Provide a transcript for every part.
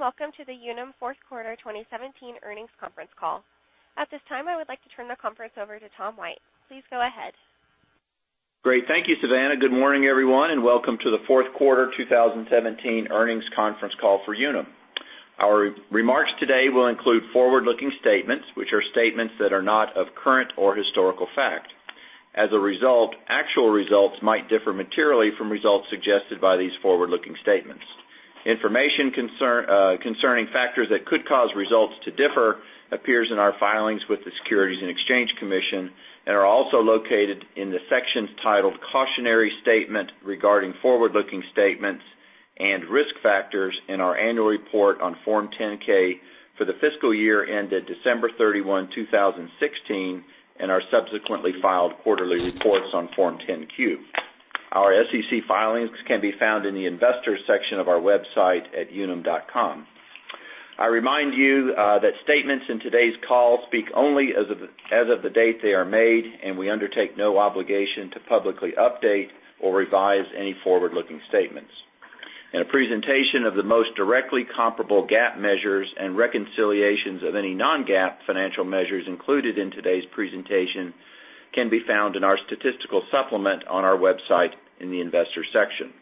Good day, welcome to the Unum fourth quarter 2017 earnings conference call. At this time, I would like to turn the conference over to Tom White. Please go ahead. Great. Thank you, Savannah. Good morning, everyone, welcome to the fourth quarter 2017 earnings conference call for Unum. Our remarks today will include forward-looking statements, which are statements that are not of current or historical fact. As a result, actual results might differ materially from results suggested by these forward-looking statements. Information concerning factors that could cause results to differ appears in our filings with the Securities and Exchange Commission and are also located in the sections titled Cautionary Statement regarding Forward-Looking Statements and Risk Factors in our annual report on Form 10-K for the fiscal year ended December 31, 2016, and our subsequently filed quarterly reports on Form 10-Q. Our SEC filings can be found in the investors section of our website at unum.com. I remind you that statements in today's call speak only as of the date they are made, we undertake no obligation to publicly update or revise any forward-looking statements. A presentation of the most directly comparable GAAP measures and reconciliations of any non-GAAP financial measures included in today's presentation can be found in our statistical supplement on our website in the investors section.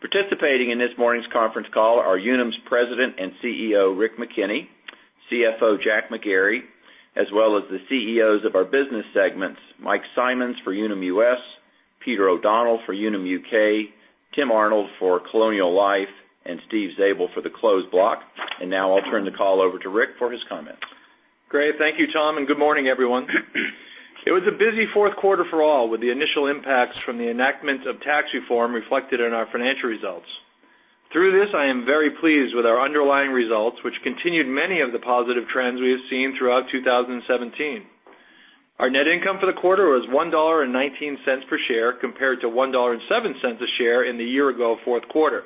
Participating in this morning's conference call are Unum's President and CEO, Rick McKenney, CFO, Jack McGarry, as well as the CEOs of our business segments, Mike Simonds for Unum US, Peter O'Donnell for Unum UK, Tim Arnold for Colonial Life, and Steve Zabel for the Closed Block. Now I'll turn the call over to Rick for his comments. Great. Thank you, Tom, good morning, everyone. It was a busy fourth quarter for all, with the initial impacts from the enactment of tax reform reflected in our financial results. Through this, I am very pleased with our underlying results, which continued many of the positive trends we have seen throughout 2017. Our net income for the quarter was $1.19 per share compared to $1.07 a share in the year-ago fourth quarter.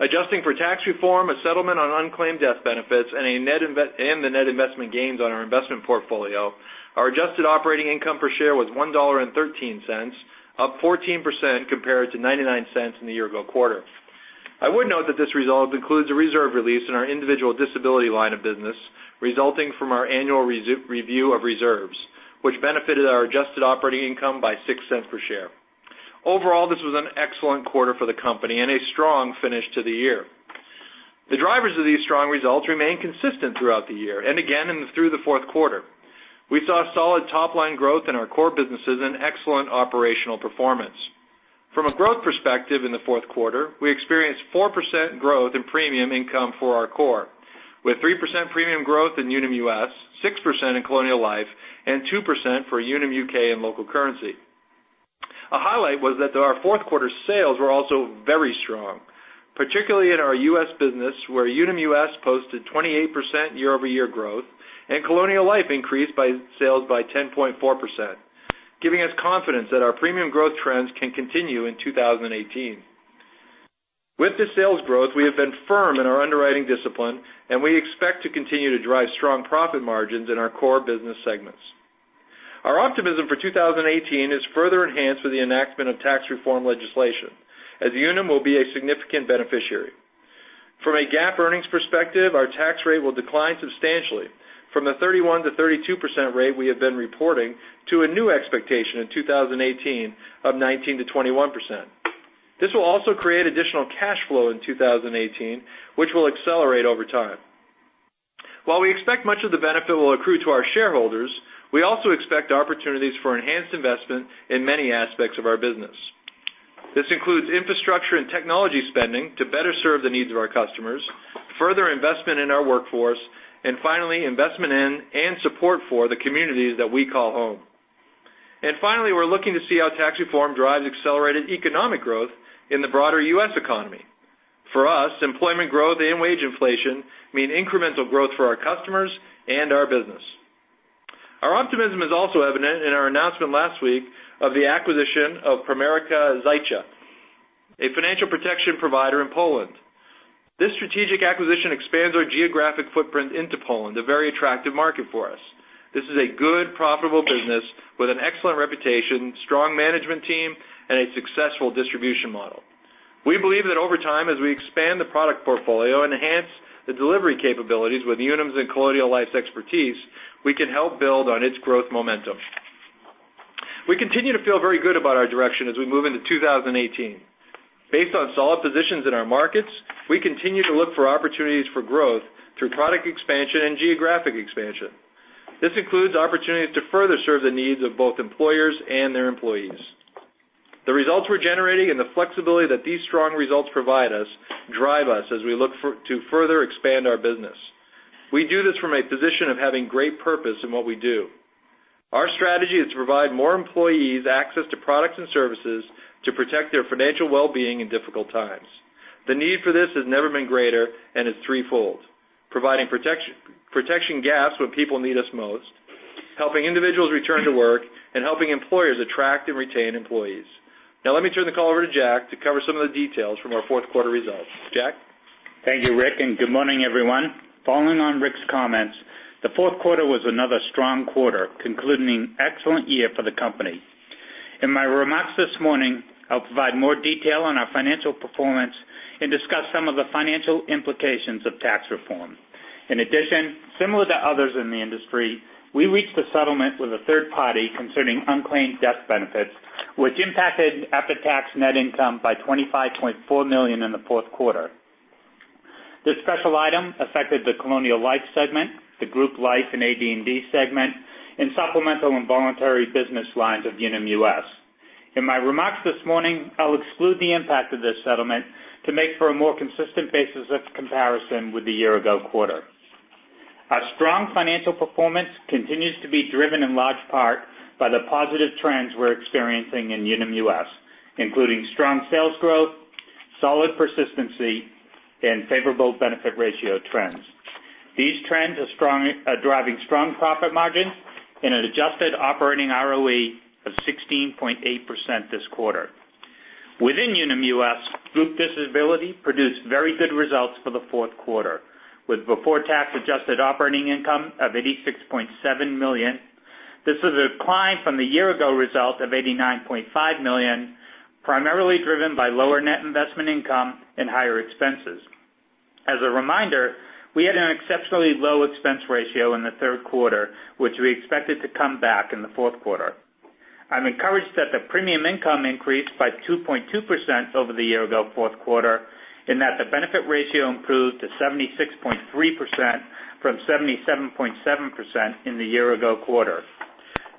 Adjusting for tax reform, a settlement on unclaimed death benefits and the net investment gains on our investment portfolio, our adjusted operating income per share was $1.13, up 14% compared to $0.99 in the year-ago quarter. I would note that this result includes a reserve release in our Individual Disability line of business resulting from our annual review of reserves, which benefited our adjusted operating income by $0.06 per share. Overall, this was an excellent quarter for the company and a strong finish to the year. The drivers of these strong results remained consistent throughout the year and again through the fourth quarter. We saw solid top-line growth in our core businesses and excellent operational performance. From a growth perspective in the fourth quarter, we experienced 4% growth in premium income for our core, with 3% premium growth in Unum US, 6% in Colonial Life, and 2% for Unum UK in local currency. A highlight was that our fourth quarter sales were also very strong, particularly in our U.S. business where Unum US posted 28% year-over-year growth and Colonial Life increased sales by 10.4%, giving us confidence that our premium growth trends can continue in 2018. With the sales growth, we have been firm in our underwriting discipline. We expect to continue to drive strong profit margins in our core business segments. Our optimism for 2018 is further enhanced with the enactment of tax reform legislation, as Unum will be a significant beneficiary. From a GAAP earnings perspective, our tax rate will decline substantially from the 31%-32% rate we have been reporting to a new expectation in 2018 of 19%-21%. This will also create additional cash flow in 2018, which will accelerate over time. While we expect much of the benefit will accrue to our shareholders, we also expect opportunities for enhanced investment in many aspects of our business. This includes infrastructure and technology spending to better serve the needs of our customers, further investment in our workforce, and finally, investment in and support for the communities that we call home. Finally, we're looking to see how tax reform drives accelerated economic growth in the broader U.S. economy. For us, employment growth and wage inflation mean incremental growth for our customers and our business. Our optimism is also evident in our announcement last week of the acquisition of Pramerica Życie TUiR SA, a financial protection provider in Poland. This strategic acquisition expands our geographic footprint into Poland, a very attractive market for us. This is a good, profitable business with an excellent reputation, strong management team, and a successful distribution model. We believe that over time, as we expand the product portfolio and enhance the delivery capabilities with Unum's and Colonial Life's expertise, we can help build on its growth momentum. We continue to feel very good about our direction as we move into 2018. Based on solid positions in our markets, we continue to look for opportunities for growth through product expansion and geographic expansion. This includes opportunities to further serve the needs of both employers and their employees. The results we're generating and the flexibility that these strong results provide us drive us as we look to further expand our business. We do this from a position of having great purpose in what we do. Our strategy is to provide more employees access to products and services to protect their financial well-being in difficult times. The need for this has never been greater and is threefold, providing protection gaps when people need us most, helping individuals return to work, and helping employers attract and retain employees. Let me turn the call over to Jack to cover some of the details from our fourth quarter results. Jack? Thank you, Rick, and good morning, everyone. Following on Rick's comments, the fourth quarter was another strong quarter concluding excellent year for the company. In my remarks this morning, I'll provide more detail on our financial performance and discuss some of the financial implications of tax reform. In addition, similar to others in the industry, we reached a settlement with a third party concerning unclaimed death benefits, which impacted after-tax net income by $25.4 million in the fourth quarter. This special item affected the Colonial Life segment, the Group Life and AD&D segment, and supplemental and voluntary business lines of Unum US. In my remarks this morning, I'll exclude the impact of this settlement to make for a more consistent basis of comparison with the year ago quarter. Our strong financial performance continues to be driven in large part by the positive trends we're experiencing in Unum US, including strong sales growth, solid persistency, and favorable benefit ratio trends. These trends are driving strong profit margins and an adjusted operating ROE of 16.8% this quarter. Within Unum US, Group Disability produced very good results for the fourth quarter, with before tax adjusted operating income of $86.7 million. This is a decline from the year ago result of $89.5 million, primarily driven by lower net investment income and higher expenses. As a reminder, we had an exceptionally low expense ratio in the third quarter, which we expected to come back in the fourth quarter. I'm encouraged that the premium income increased by 2.2% over the year ago fourth quarter, and that the benefit ratio improved to 76.3% from 77.7% in the year ago quarter.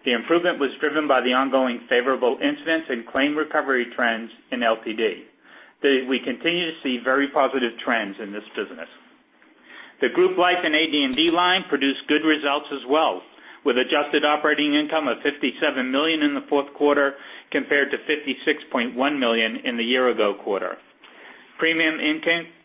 The improvement was driven by the ongoing favorable incidence and claim recovery trends in LTD. We continue to see very positive trends in this business. The Group Life and AD&D line produced good results as well, with adjusted operating income of $57 million in the fourth quarter compared to $56.1 million in the year ago quarter. Premium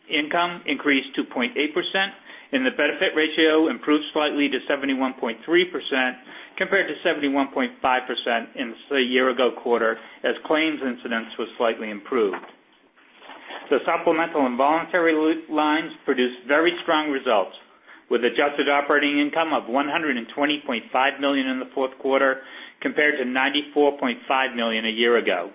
income increased 2.8%, and the benefit ratio improved slightly to 71.3%, compared to 71.5% in the year ago quarter, as claims incidence was slightly improved. The supplemental and voluntary lines produced very strong results with adjusted operating income of $120.5 million in the fourth quarter compared to $94.5 million a year ago.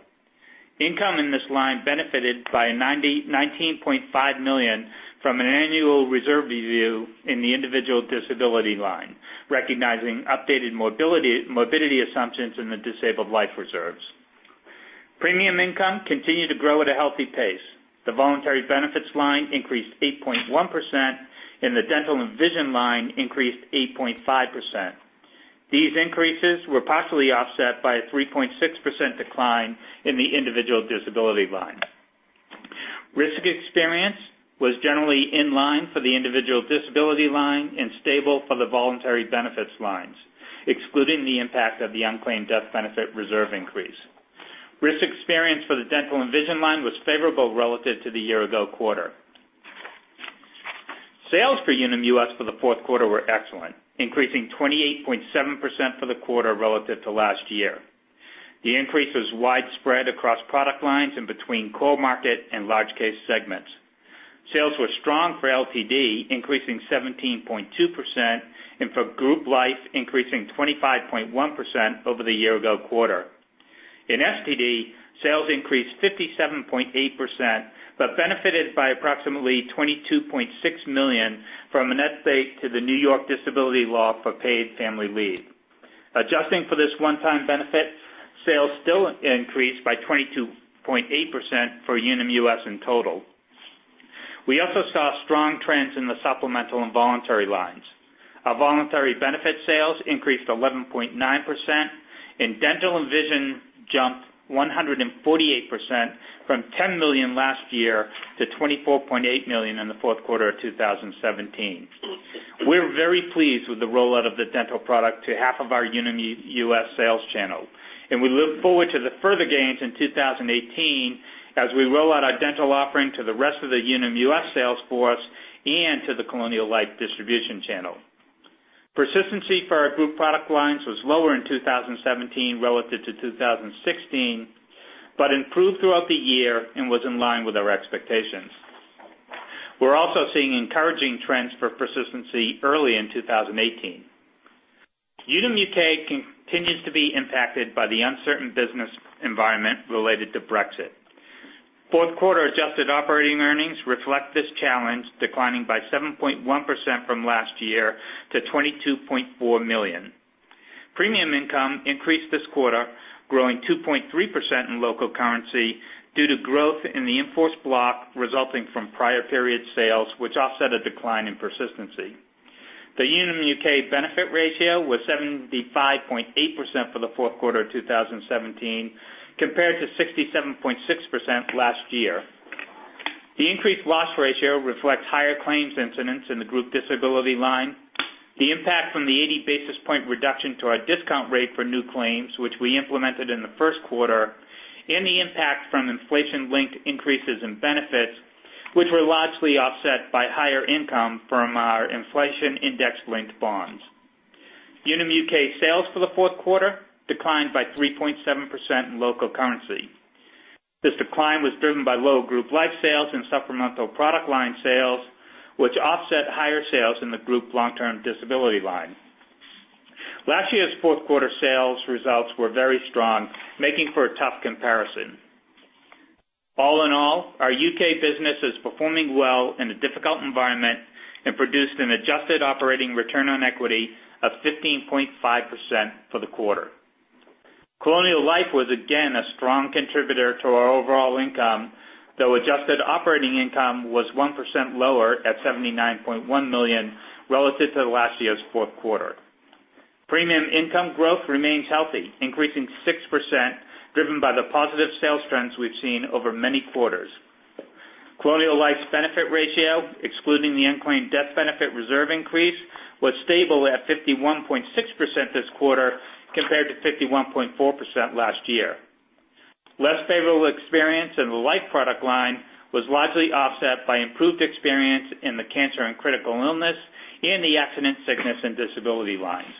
Income in this line benefited by $19.5 million from an annual reserve review in the Individual Disability line, recognizing updated morbidity assumptions in the disabled life reserves. Premium income continued to grow at a healthy pace. The Voluntary Benefits line increased 8.1%, and the Dental and Vision line increased 8.5%. These increases were partially offset by a 3.6% decline in the Individual Disability line. Risk experience was generally in line for the Individual Disability line and stable for the voluntary benefits lines, excluding the impact of the unclaimed death benefit reserve increase. Risk experience for the Dental and Vision line was favorable relative to the year ago quarter. Sales for Unum US for the fourth quarter were excellent, increasing 28.7% for the quarter relative to last year. The increase was widespread across product lines and between core market and large case segments. Sales were strong for LTD, increasing 17.2%, and for Group Life, increasing 25.1% over the year ago quarter. In STD, sales increased 57.8%, but benefited by approximately $22.6 million from an update to the New York disability law for Paid Family Leave. Adjusting for this one-time benefit, sales still increased by 22.8% for Unum US in total. We also saw strong trends in the supplemental and voluntary lines. Our voluntary benefit sales increased 11.9%, and Dental and Vision jumped 148% from $10 million last year to $24.8 million in the fourth quarter of 2017. We're very pleased with the rollout of the dental product to half of our Unum US sales channel, and we look forward to the further gains in 2018 as we roll out our dental offering to the rest of the Unum US sales force and to the Colonial Life distribution channel. Persistency for our group product lines was lower in 2017 relative to 2016, but improved throughout the year and was in line with our expectations. We're also seeing encouraging trends for persistency early in 2018. Unum UK continues to be impacted by the uncertain business environment related to Brexit. Fourth quarter adjusted operating earnings reflect this challenge, declining by 7.1% from last year to 22.4 million. Premium income increased this quarter, growing 2.3% in local currency due to growth in the in-force block resulting from prior period sales, which offset a decline in persistency. The Unum UK benefit ratio was 75.8% for the fourth quarter of 2017, compared to 67.6% last year. The increased loss ratio reflects higher claims incidence in the Group Disability line, the impact from the 80 basis point reduction to our discount rate for new claims, which we implemented in the first quarter, and the impact from inflation-linked increases in benefits, which were largely offset by higher income from our inflation index-linked bonds. Unum UK sales for the fourth quarter declined by 3.7% in local currency. This decline was driven by low Group Life sales and supplemental product line sales, which offset higher sales in the Group Long-Term Disability line. Last year's fourth quarter sales results were very strong, making for a tough comparison. All in all, our U.K. business is performing well in a difficult environment and produced an adjusted operating return on equity of 15.5% for the quarter. Colonial Life was again a strong contributor to our overall income, though adjusted operating income was 1% lower at $79.1 million relative to last year's fourth quarter. Premium income growth remains healthy, increasing 6%, driven by the positive sales trends we've seen over many quarters. Colonial Life's benefit ratio, excluding the unclaimed death benefit reserve increase, was stable at 51.6% this quarter compared to 51.4% last year. Less favorable experience in the life product line was largely offset by improved experience in the cancer and critical illness in the Accident, Sickness and Disability lines.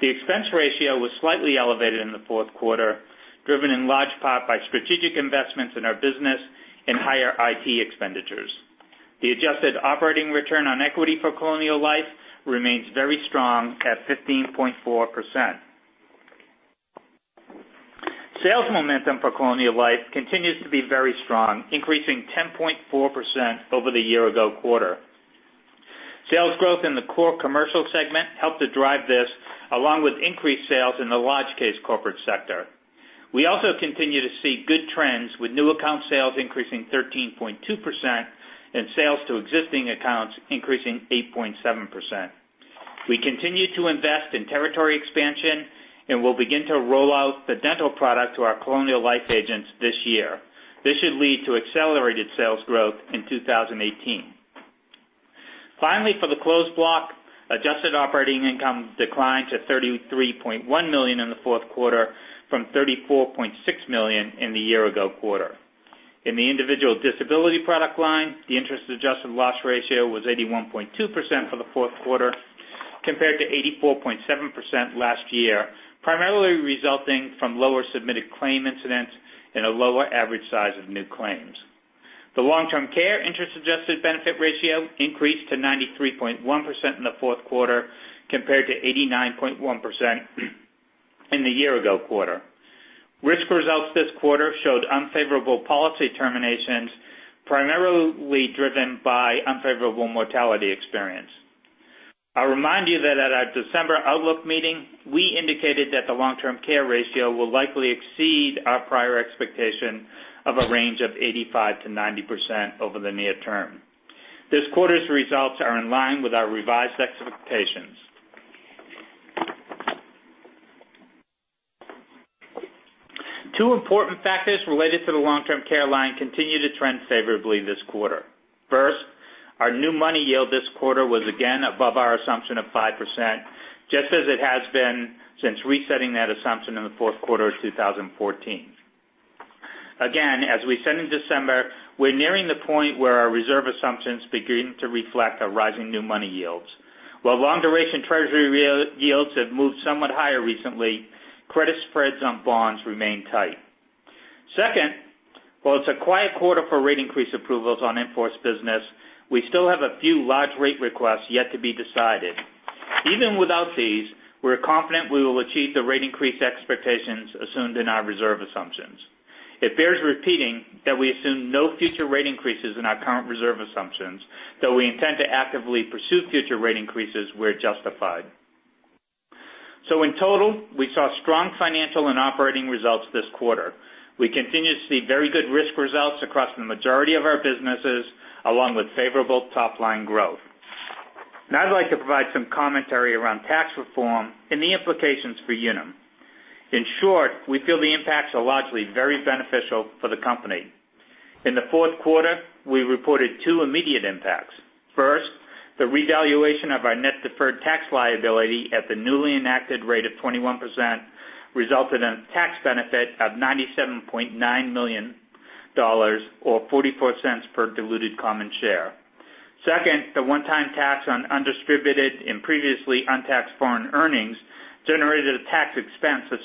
The expense ratio was slightly elevated in the fourth quarter, driven in large part by strategic investments in our business and higher IT expenditures. The adjusted operating return on equity for Colonial Life remains very strong at 15.4%. Sales momentum for Colonial Life continues to be very strong, increasing 10.4% over the year-ago quarter. Sales growth in the core commercial segment helped to drive this, along with increased sales in the large case corporate sector. We also continue to see good trends with new account sales increasing 13.2% and sales to existing accounts increasing 8.7%. We continue to invest in territory expansion and will begin to roll out the dental product to our Colonial Life agents this year. This should lead to accelerated sales growth in 2018. Finally, for the Closed Block, adjusted operating income declined to $33.1 million in the fourth quarter from $34.6 million in the year-ago quarter. In the Individual Disability product line, the interest-adjusted loss ratio was 81.2% for the fourth quarter compared to 84.7% last year, primarily resulting from lower submitted claim incidents and a lower average size of new claims. The Long-Term Care interest adjusted benefit ratio increased to 93.1% in the fourth quarter compared to 89.1% in the year-ago quarter. Risk results this quarter showed unfavorable policy terminations, primarily driven by unfavorable mortality experience. I'll remind you that at our December outlook meeting, we indicated that the Long-Term Care ratio will likely exceed our prior expectation of a range of 85%-90% over the near term. This quarter's results are in line with our revised expectations. Two important factors related to the Long-Term Care line continue to trend favorably this quarter. First, our new money yield this quarter was again above our assumption of 5%, just as it has been since resetting that assumption in the fourth quarter of 2014. As we said in December, we're nearing the point where our reserve assumptions begin to reflect our rising new money yields. While long duration Treasury yields have moved somewhat higher recently, credit spreads on bonds remain tight. Second, while it's a quiet quarter for rate increase approvals on in-force business, we still have a few large rate requests yet to be decided. Even without these, we're confident we will achieve the rate increase expectations assumed in our reserve assumptions. It bears repeating that we assume no future rate increases in our current reserve assumptions, though we intend to actively pursue future rate increases where justified. In total, we saw strong financial and operating results this quarter. We continue to see very good risk results across the majority of our businesses, along with favorable top-line growth. Now I'd like to provide some commentary around tax reform and the implications for Unum. In short, we feel the impacts are largely very beneficial for the company. In the fourth quarter, we reported two immediate impacts. First, the revaluation of our net deferred tax liability at the newly enacted rate of 21% resulted in a tax benefit of $97.9 million, or $0.44 per diluted common share. Second, the one-time tax on undistributed and previously untaxed foreign earnings generated a tax expense of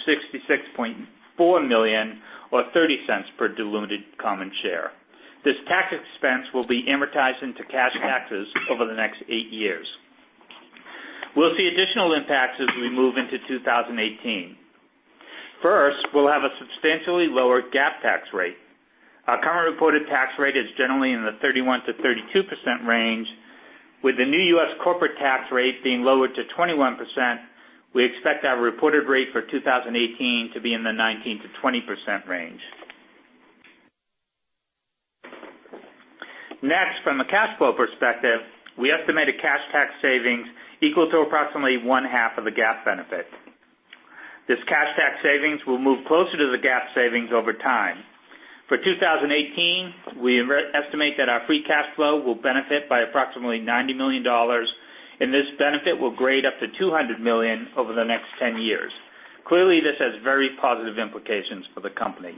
$66.4 million or $0.30 per diluted common share. This tax expense will be amortized into cash taxes over the next eight years. We'll see additional impacts as we move into 2018. We'll have a substantially lower GAAP tax rate. Our current reported tax rate is generally in the 31% to 32% range. With the new U.S. corporate tax rate being lowered to 21%, we expect our reported rate for 2018 to be in the 19% to 20% range. From a cash flow perspective, we estimate a cash tax savings equal to approximately one-half of the GAAP benefit. This cash tax savings will move closer to the GAAP savings over time. For 2018, we estimate that our free cash flow will benefit by approximately $90 million. This benefit will grade up to $200 million over the next 10 years. Clearly, this has very positive implications for the company.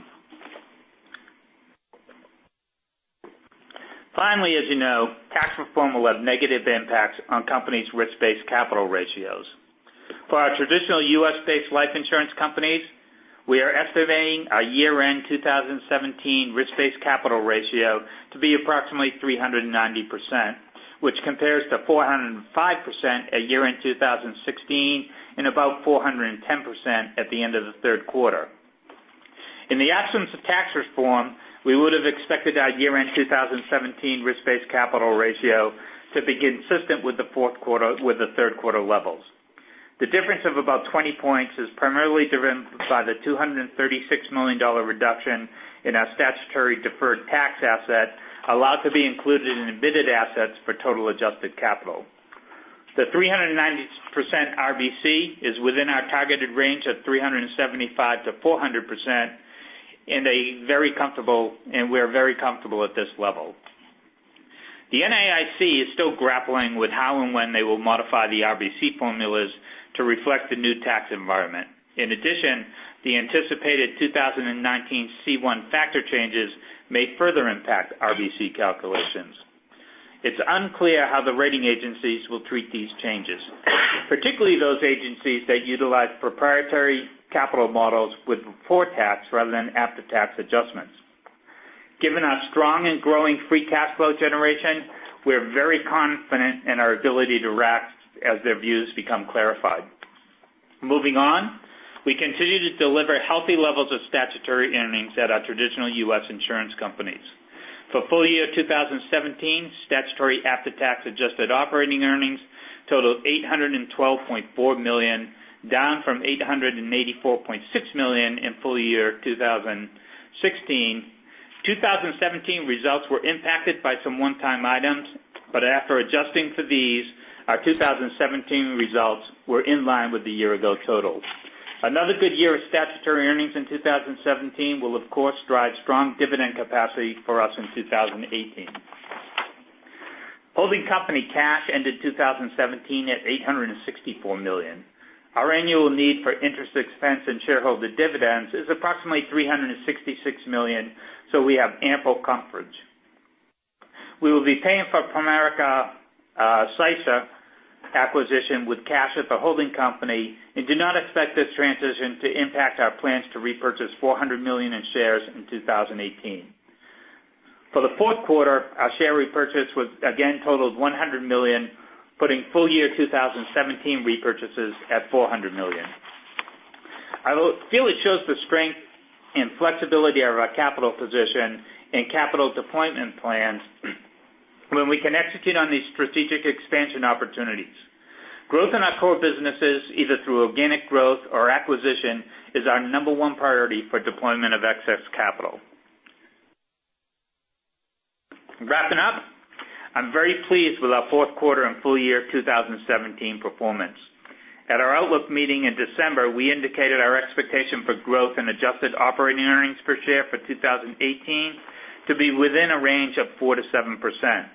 As you know, tax reform will have negative impacts on companies' risk-based capital ratios. For our traditional U.S.-based life insurance companies, we are estimating our year-end 2017 risk-based capital ratio to be approximately 390%, which compares to 405% at year-end 2016 and about 410% at the end of the third quarter. In the absence of tax reform, we would have expected our year-end 2017 risk-based capital ratio to be consistent with the third quarter levels. The difference of about 20 points is primarily driven by the $236 million reduction in our statutory deferred tax asset allowed to be included in admitted assets for total adjusted capital. The 390% RBC is within our targeted range of 375% to 400%. We are very comfortable at this level. The NAIC is still grappling with how and when they will modify the RBC formulas to reflect the new tax environment. The anticipated 2019 C1 factor changes may further impact RBC calculations. It's unclear how the rating agencies will treat these changes, particularly those agencies that utilize proprietary capital models with before-tax rather than after-tax adjustments. Given our strong and growing free cash flow generation, we're very confident in our ability to react as their views become clarified. We continue to deliver healthy levels of statutory earnings at our traditional U.S. insurance companies. For full-year 2017, statutory after-tax adjusted operating earnings totaled $812.4 million, down from $884.6 million in full-year 2016. 2017 results were impacted by some one-time items, but after adjusting for these, our 2017 results were in line with the year-ago totals. Another good year of statutory earnings in 2017 will of course drive strong dividend capacity for us in 2018. Holding company cash ended 2017 at $864 million. Our annual need for interest expense and shareholder dividends is approximately $366 million. We have ample coverage. We will be paying for Pramerica Życie TUiR SA acquisition with cash at the holding company and do not expect this transition to impact our plans to repurchase $400 million in shares in 2018. For the fourth quarter, our share repurchase again totaled $100 million, putting full-year 2017 repurchases at $400 million. I feel it shows the strength and flexibility of our capital position and capital deployment plans when we can execute on these strategic expansion opportunities. Growth in our core businesses, either through organic growth or acquisition, is our number one priority for deployment of excess capital. I'm very pleased with our fourth quarter and full-year 2017 performance. At our outlook meeting in December, we indicated our expectation for growth in adjusted operating earnings per share for 2018 to be within a range of 4% to 7%.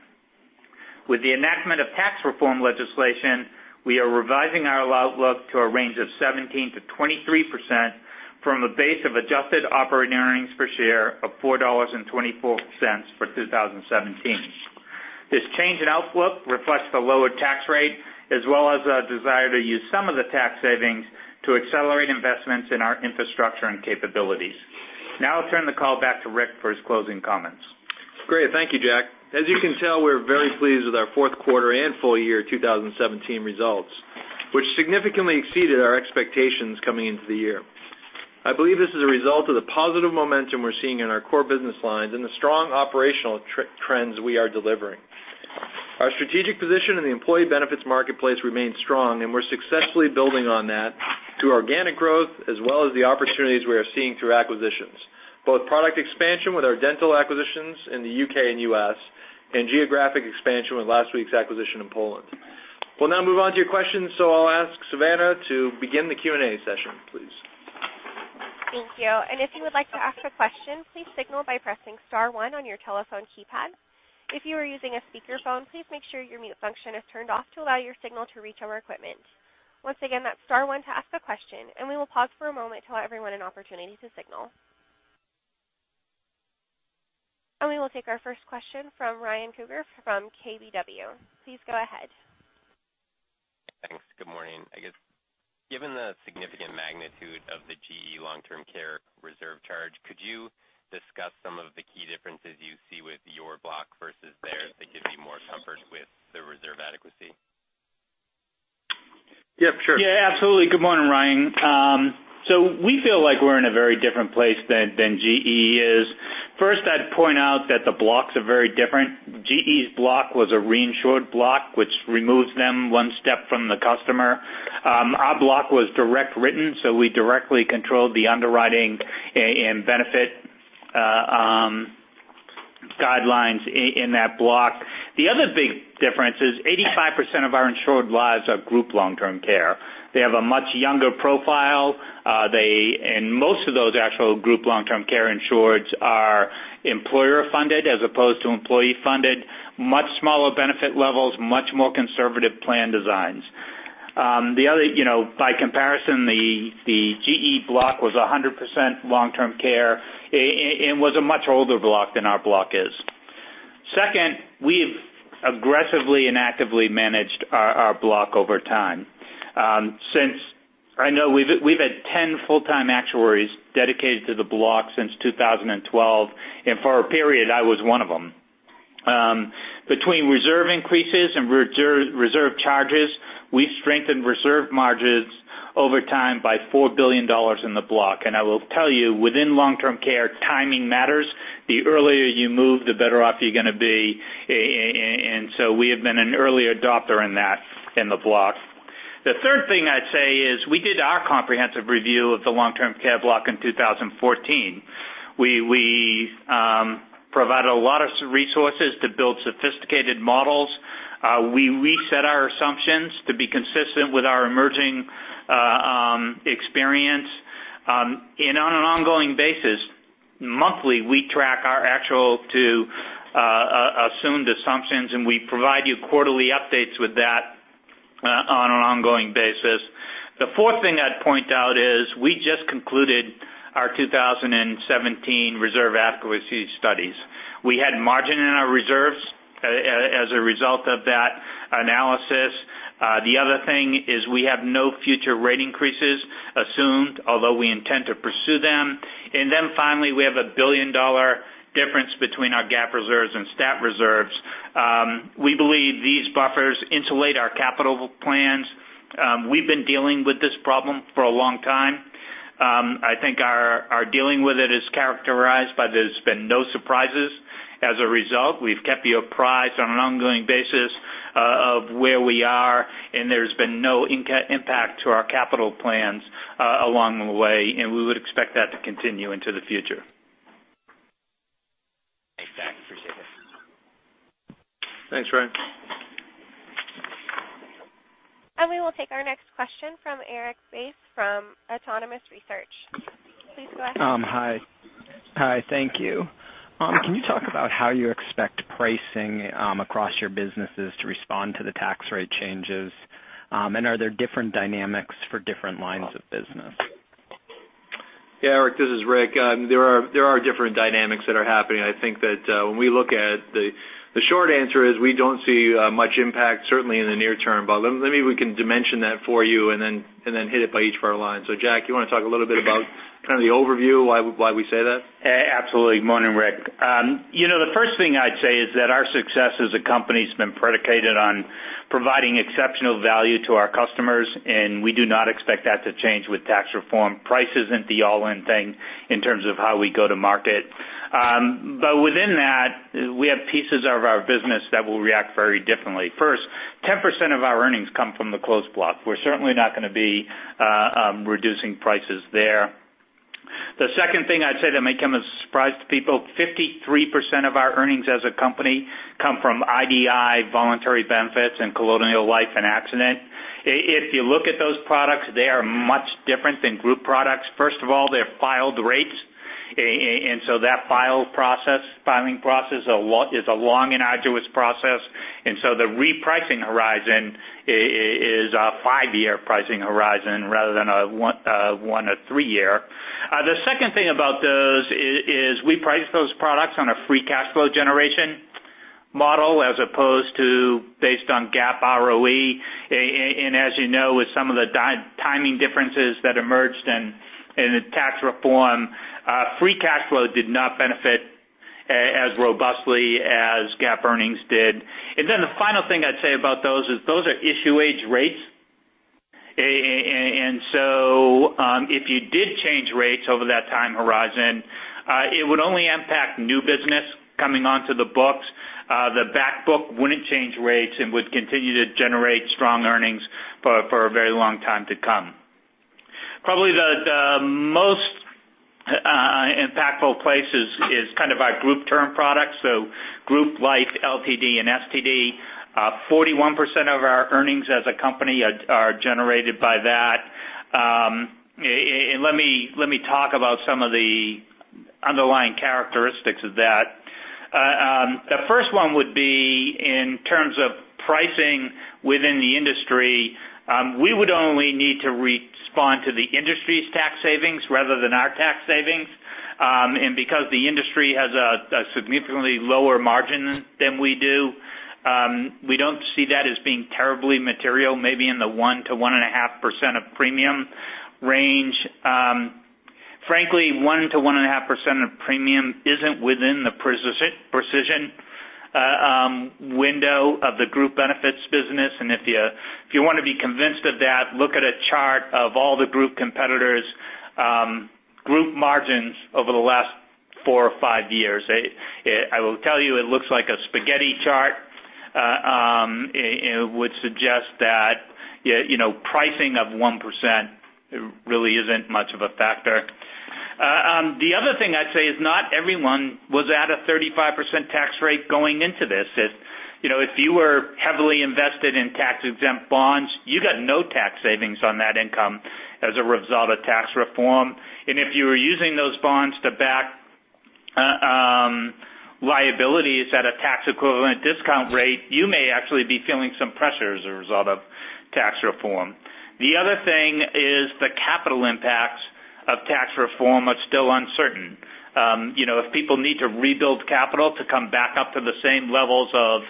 With the enactment of tax reform legislation, we are revising our outlook to a range of 17%-23% from a base of adjusted operating earnings per share of $4.24 for 2017. This change in outlook reflects the lower tax rate, as well as our desire to use some of the tax savings to accelerate investments in our infrastructure and capabilities. I'll turn the call back to Rick for his closing comments. Great. Thank you, Jack. As you can tell, we're very pleased with our fourth quarter and full-year 2017 results, which significantly exceeded our expectations coming into the year. I believe this is a result of the positive momentum we're seeing in our core business lines and the strong operational trends we are delivering. Our strategic position in the employee benefits marketplace remains strong, and we're successfully building on that through organic growth as well as the opportunities we are seeing through acquisitions, both product expansion with our dental acquisitions in the U.K. and U.S., geographic expansion with last week's acquisition in Poland. We'll now move on to your questions, I'll ask Savannah to begin the Q&A session, please. Thank you. If you would like to ask a question, please signal by pressing *1 on your telephone keypad. If you are using a speakerphone, please make sure your mute function is turned off to allow your signal to reach our equipment. Once again, that's *1 to ask a question, we will pause for a moment to allow everyone an opportunity to signal. We will take our first question from Ryan Krueger from KBW. Please go ahead. Thanks. Good morning. I guess, given the significant magnitude of the GE Long-Term Care reserve charge, could you discuss some of the key differences you see with your block versus theirs that give you more comfort with the reserve adequacy? Yep, sure. Yeah, absolutely. Good morning, Ryan. We feel like we're in a very different place than GE is. First, I'd point out that the blocks are very different. GE's block was a reinsured block, which removes them one step from the customer. Our block was direct written, so we directly controlled the underwriting and benefit guidelines in that block. The other big difference is 85% of our insured lives are group long-term care. They have a much younger profile. Most of those actual group long-term care insureds are employer-funded as opposed to employee-funded, much smaller benefit levels, much more conservative plan designs. By comparison, the GE block was 100% long-term care and was a much older block than our block is. Second, we've aggressively and actively managed our block over time. Since I know we've had 10 full-time actuaries dedicated to the block since 2012, and for a period, I was one of them. Between reserve increases and reserve charges, we've strengthened reserve margins over time by $4 billion in the block. I will tell you, within long-term care, timing matters. The earlier you move, the better off you're going to be. We have been an early adopter in that in the block. The third thing I'd say is we did our comprehensive review of the long-term care block in 2014. We provided a lot of resources to build sophisticated models. We reset our assumptions to be consistent with our emerging experience. On an ongoing basis, monthly, we track our actual to assumed assumptions, and we provide you quarterly updates with that on an ongoing basis. The fourth thing I'd point out is we just concluded our 2017 reserve adequacy studies. We had margin in our reserves as a result of that analysis. The other thing is we have no future rate increases assumed, although we intend to pursue them. Finally, we have a billion-dollar difference between our GAAP reserves and STAT reserves. We believe these buffers insulate our capital plans. We've been dealing with this problem for a long time. I think our dealing with it is characterized by there's been no surprises as a result. We've kept you apprised on an ongoing basis of where we are, and there's been no impact to our capital plans along the way, and we would expect that to continue into the future. Thanks, Jack. Appreciate it. Thanks, Ryan. We will take our next question from Erik Bass from Autonomous Research. Please go ahead. Hi. Thank you. Can you talk about how you expect pricing across your businesses to respond to the tax rate changes? Are there different dynamics for different lines of business? Erik, this is Rick. There are different dynamics that are happening. I think that when we look at the short answer is we don't see much impact, certainly in the near term, but maybe we can dimension that for you and then hit it by each of our lines. Jack, you want to talk a little bit about kind of the overview, why we say that? Absolutely. Morning, Erik. The first thing I'd say is that our success as a company has been predicated on providing exceptional value to our customers, and we do not expect that to change with tax reform. Price isn't the all-in thing in terms of how we go to market. Within that, we have pieces of our business that will react very differently. First, 10% of our earnings come from the Closed Block. We're certainly not going to be reducing prices there. The second thing I'd say that may come as a surprise to people, 53% of our earnings as a company come from IDI voluntary benefits and Colonial Life and Accident. If you look at those products, they are much different than group products. First of all, they're filed rates, that filing process is a long and arduous process, the repricing horizon is a 5-year pricing horizon rather than a 1 to 3 year. The second thing about those is we price those products on a free cash flow generation model as opposed to based on GAAP ROE. As you know, with some of the timing differences that emerged in the tax reform, free cash flow did not benefit as robustly as GAAP earnings did. The final thing I'd say about those is those are issue age rates. If you did change rates over that time horizon, it would only impact new business coming onto the books. The back book wouldn't change rates and would continue to generate strong earnings for a very long time to come. Probably the most impactful place is kind of our group term products, so Group Life, LTD, and STD. 41% of our earnings as a company are generated by that. Let me talk about some of the underlying characteristics of that. The first one would be in terms of pricing within the industry, we would only need to respond to the industry's tax savings rather than our tax savings. Because the industry has a significantly lower margin than we do, we don't see that as being terribly material, maybe in the 1%-1.5% of premium range. Frankly, 1%-1.5% of premium isn't within the precision window of the group benefits business. If you want to be convinced of that, look at a chart of all the group competitors' group margins over the last 4 or 5 years. I will tell you, it looks like a spaghetti chart. It would suggest that pricing of 1% really isn't much of a factor. The other thing I'd say is not everyone was at a 35% tax rate going into this. If you were heavily invested in tax-exempt bonds, you got no tax savings on that income as a result of tax reform. If you were using those bonds to back- liabilities at a tax equivalent discount rate, you may actually be feeling some pressure as a result of tax reform. The other thing is the capital impact of tax reform are still uncertain. If people need to rebuild capital to come back up to the same levels of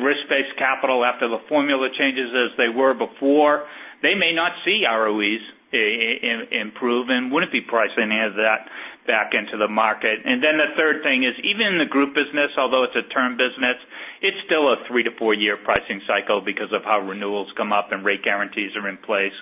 risk-based capital after the formula changes as they were before, they may not see ROEs improve and wouldn't be pricing any of that back into the market. The third thing is, even in the group business, although it's a term business, it's still a 3-4-year pricing cycle because of how renewals come up and rate guarantees are in place.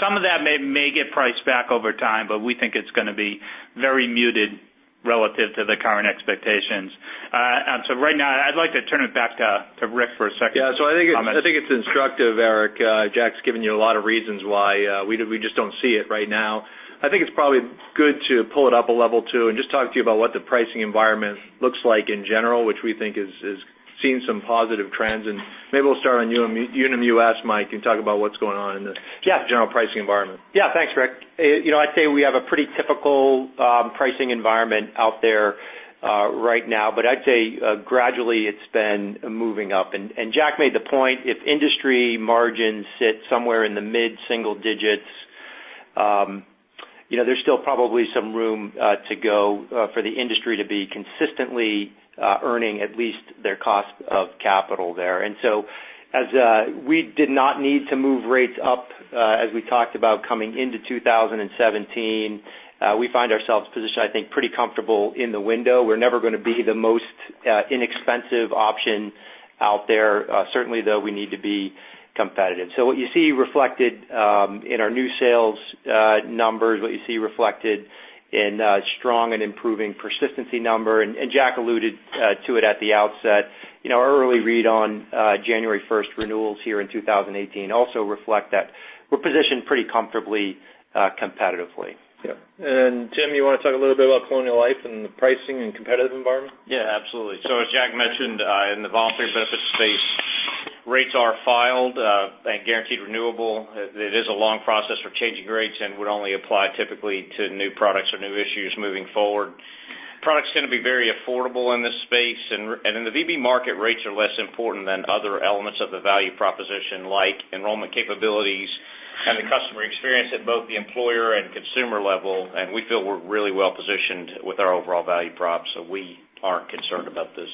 Some of that may get priced back over time, but we think it's going to be very muted relative to the current expectations. Right now, I'd like to turn it back to Rick for a second. Yeah. I think it's instructive, Erik. Jack's given you a lot of reasons why we just don't see it right now. I think it's probably good to pull it up a level, too, and just talk to you about what the pricing environment looks like in general, which we think is seeing some positive trends. Maybe we'll start on Unum US, Mike, and talk about what's going on in the- Yeah general pricing environment. Yeah. Thanks, Rick. I'd say we have a pretty typical pricing environment out there right now, but I'd say gradually it's been moving up. Jack made the point, if industry margins sit somewhere in the mid-single digits, there's still probably some room to go for the industry to be consistently earning at least their cost of capital there. As we did not need to move rates up as we talked about coming into 2017, we find ourselves positioned, I think, pretty comfortable in the window. We're never going to be the most inexpensive option out there. Certainly, though, we need to be competitive. What you see reflected in our new sales numbers, what you see reflected in a strong and improving persistency number, Jack alluded to it at the outset, our early read on January 1st renewals here in 2018 also reflect that we're positioned pretty comfortably, competitively. Yeah. Tim, you want to talk a little bit about Colonial Life and the pricing and competitive environment? Absolutely. As Jack mentioned, in the voluntary benefits space, rates are filed, and guaranteed renewable. It is a long process for changing rates and would only apply typically to new products or new issues moving forward. Products tend to be very affordable in this space, and in the VB market, rates are less important than other elements of the value proposition, like enrollment capabilities and the customer experience at both the employer and consumer level, and we feel we're really well-positioned with our overall value prop. We aren't concerned about this.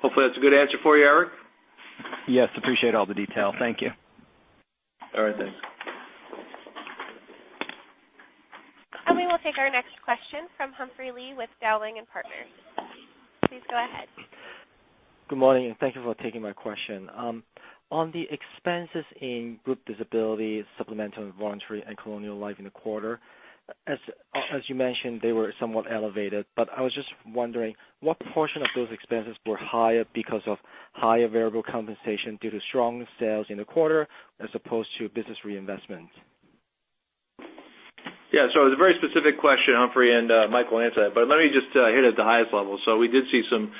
Hopefully that's a good answer for you, Erik. Yes. Appreciate all the detail. Thank you. All right. Thanks. We will take our next question from Humphrey Lee with Dowling & Partners. Please go ahead. Good morning. Thank you for taking my question. On the expenses in Group Disability, Supplemental and Voluntary, and Colonial Life in the quarter, as you mentioned, they were somewhat elevated, but I was just wondering what proportion of those expenses were higher because of higher variable compensation due to strong sales in the quarter as opposed to business reinvestment? Yeah. It was a very specific question, Humphrey, and Mike will answer that. Let me just hit it at the highest level. We did see some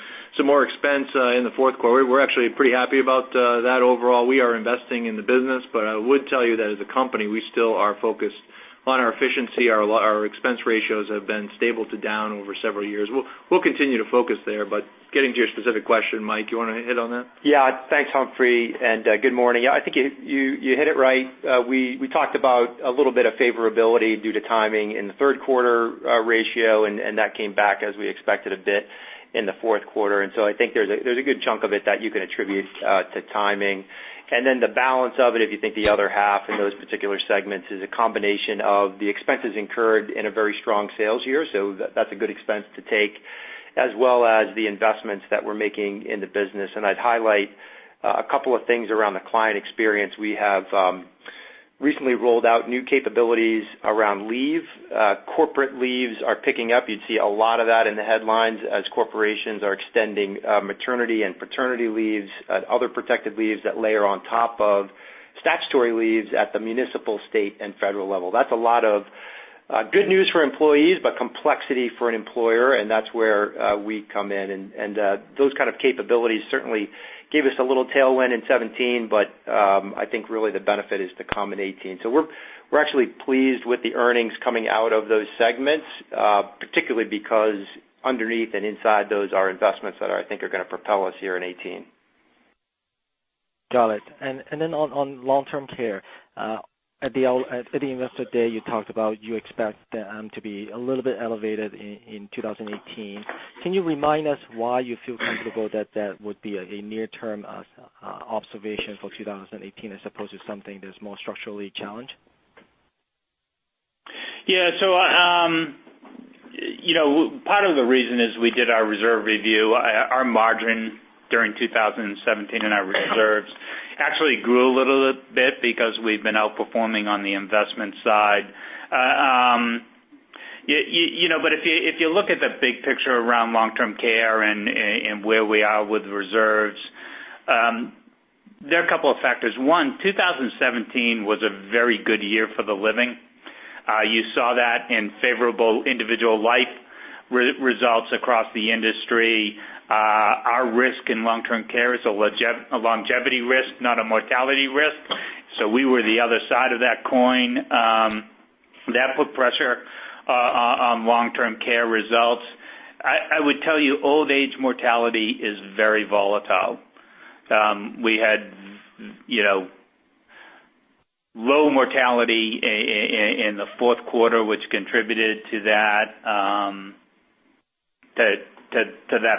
more expense in the fourth quarter. We're actually pretty happy about that overall. We are investing in the business, but I would tell you that as a company, we still are focused on our efficiency. Our expense ratios have been stable to down over several years. We'll continue to focus there, but getting to your specific question, Mike, do you want to hit on that? Yeah. Thanks, Humphrey, and good morning. I think you hit it right. We talked about a little bit of favorability due to timing in the third quarter ratio, and that came back as we expected a bit in the fourth quarter. I think there's a good chunk of it that you can attribute to timing. The balance of it, if you think the other half in those particular segments, is a combination of the expenses incurred in a very strong sales year, so that's a good expense to take, as well as the investments that we're making in the business. I'd highlight a couple of things around the client experience. We have recently rolled out new capabilities around leave. Corporate leaves are picking up. You'd see a lot of that in the headlines as corporations are extending maternity and paternity leaves, other protective leaves that layer on top of statutory leaves at the municipal, state, and federal level. That's a lot of good news for employees, but complexity for an employer, and that's where we come in. Those kind of capabilities certainly gave us a little tailwind in 2017, but I think really the benefit is to come in 2018. We're actually pleased with the earnings coming out of those segments, particularly because underneath and inside those are investments that I think are going to propel us here in 2018. Got it. On Long-Term Care. At the Investor Day, you talked about you expect them to be a little bit elevated in 2018. Can you remind us why you feel comfortable that that would be a near-term observation for 2018 as opposed to something that's more structurally challenged? Part of the reason is we did our reserve review. Our margin during 2017 in our reserves actually grew a little bit because we've been outperforming on the investment side. If you look at the big picture around Long-Term Care and where we are with reserves, there are a couple of factors. One, 2017 was a very good year for the living. You saw that in favorable individual life results across the industry. Our risk in Long-Term Care is a longevity risk, not a mortality risk. We were the other side of that coin. That put pressure on Long-Term Care results. I would tell you old age mortality is very volatile. We had low mortality in the fourth quarter, which contributed to that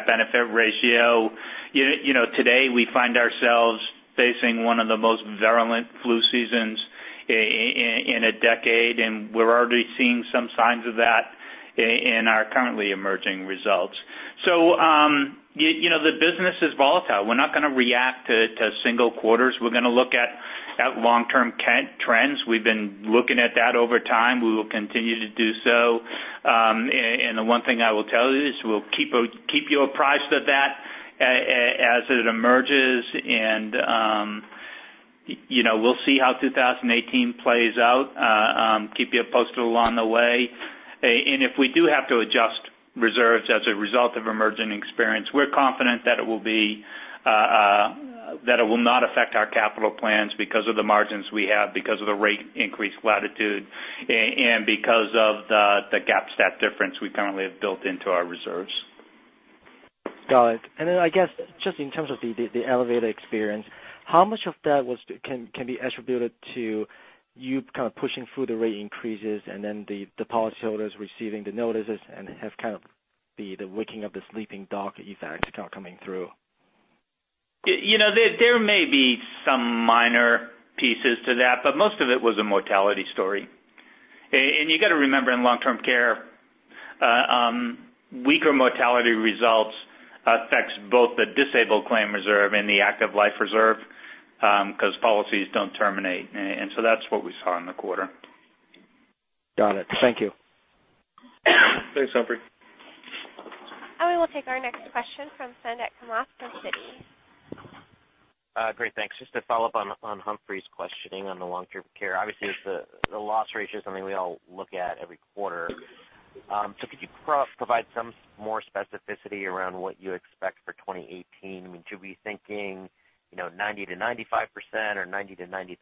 benefit ratio. Today, we find ourselves facing one of the most virulent flu seasons in a decade, and we're already seeing some signs of that in our currently emerging results. The business is volatile. We're not going to react to single quarters. We're going to look at long-term trends. We've been looking at that over time. We will continue to do so. The one thing I will tell you is we'll keep you apprised of that as it emerges, and we'll see how 2018 plays out, keep you posted along the way. If we do have to adjust reserves as a result of emerging experience, we're confident that it will not affect our capital plans because of the margins we have, because of the rate increase latitude, and because of the GAAP STAT difference we currently have built into our reserves. Got it. Then, I guess, just in terms of the elevated experience, how much of that can be attributed to you kind of pushing through the rate increases and then the policyholders receiving the notices and have kind of the waking of the sleeping dog effect coming through? There may be some minor pieces to that, but most of it was a mortality story. You got to remember, in Long-Term Care, weaker mortality results affects both the disabled claim reserve and the active life reserve, because policies don't terminate. That's what we saw in the quarter. Got it. Thank you. Thanks, Humphrey. We will take our next question from Suneet Kamath from Citigroup. Great, thanks. Just to follow up on Humphrey's questioning on the Long-Term Care, obviously, the loss ratio is something we all look at every quarter. Could you provide some more specificity around what you expect for 2018? Should we be thinking 90%-95% or 90%-93%?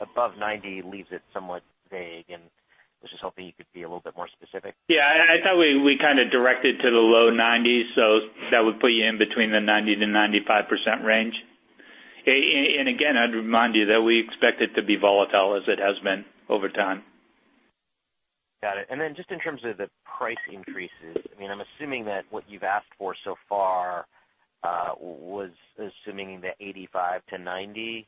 Above 90 leaves it somewhat vague, I was just hoping you could be a little bit more specific. Yeah, I thought we kind of directed to the low 90s, so that would put you in between the 90%-95% range. Again, I'd remind you that we expect it to be volatile as it has been over time. Got it. Then just in terms of the price increases, I'm assuming that what you've asked for so far was assuming the 85%-90%.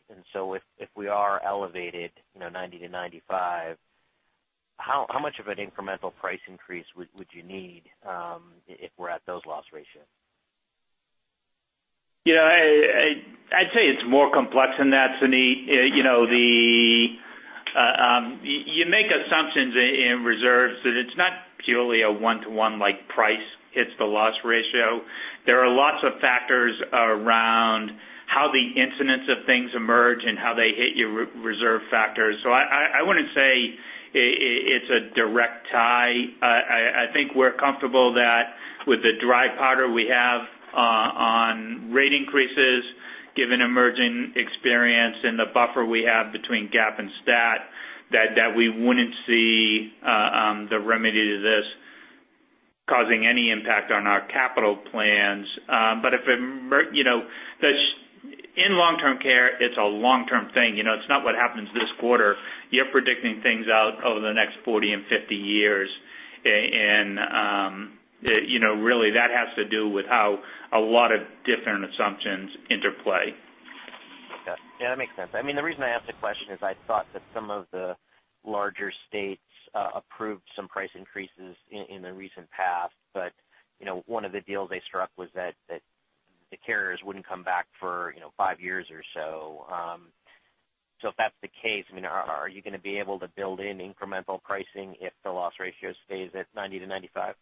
If we are elevated 90%-95%, how much of an incremental price increase would you need if we're at those loss ratios? I'd say it's more complex than that, Suneet. You make assumptions in reserves that it's not purely a one-to-one like price hits the loss ratio. There are lots of factors around how the incidence of things emerge and how they hit your reserve factors. I wouldn't say it's a direct tie. I think we're comfortable that with the dry powder we have on rate increases, given emerging experience and the buffer we have between GAAP and STAT, that we wouldn't see the remedy to this causing any impact on our capital plans. In Long-Term Care, it's a long-term thing. It's not what happens this quarter. You're predicting things out over the next 40 and 50 years. And really, that has to do with how a lot of different assumptions interplay. Yeah, that makes sense. The reason I asked the question is I thought that some of the larger states approved some price increases in the recent past, but one of the deals they struck was that the carriers wouldn't come back for 5 years or so. If that's the case, are you going to be able to build in incremental pricing if the loss ratio stays at 90%-95%?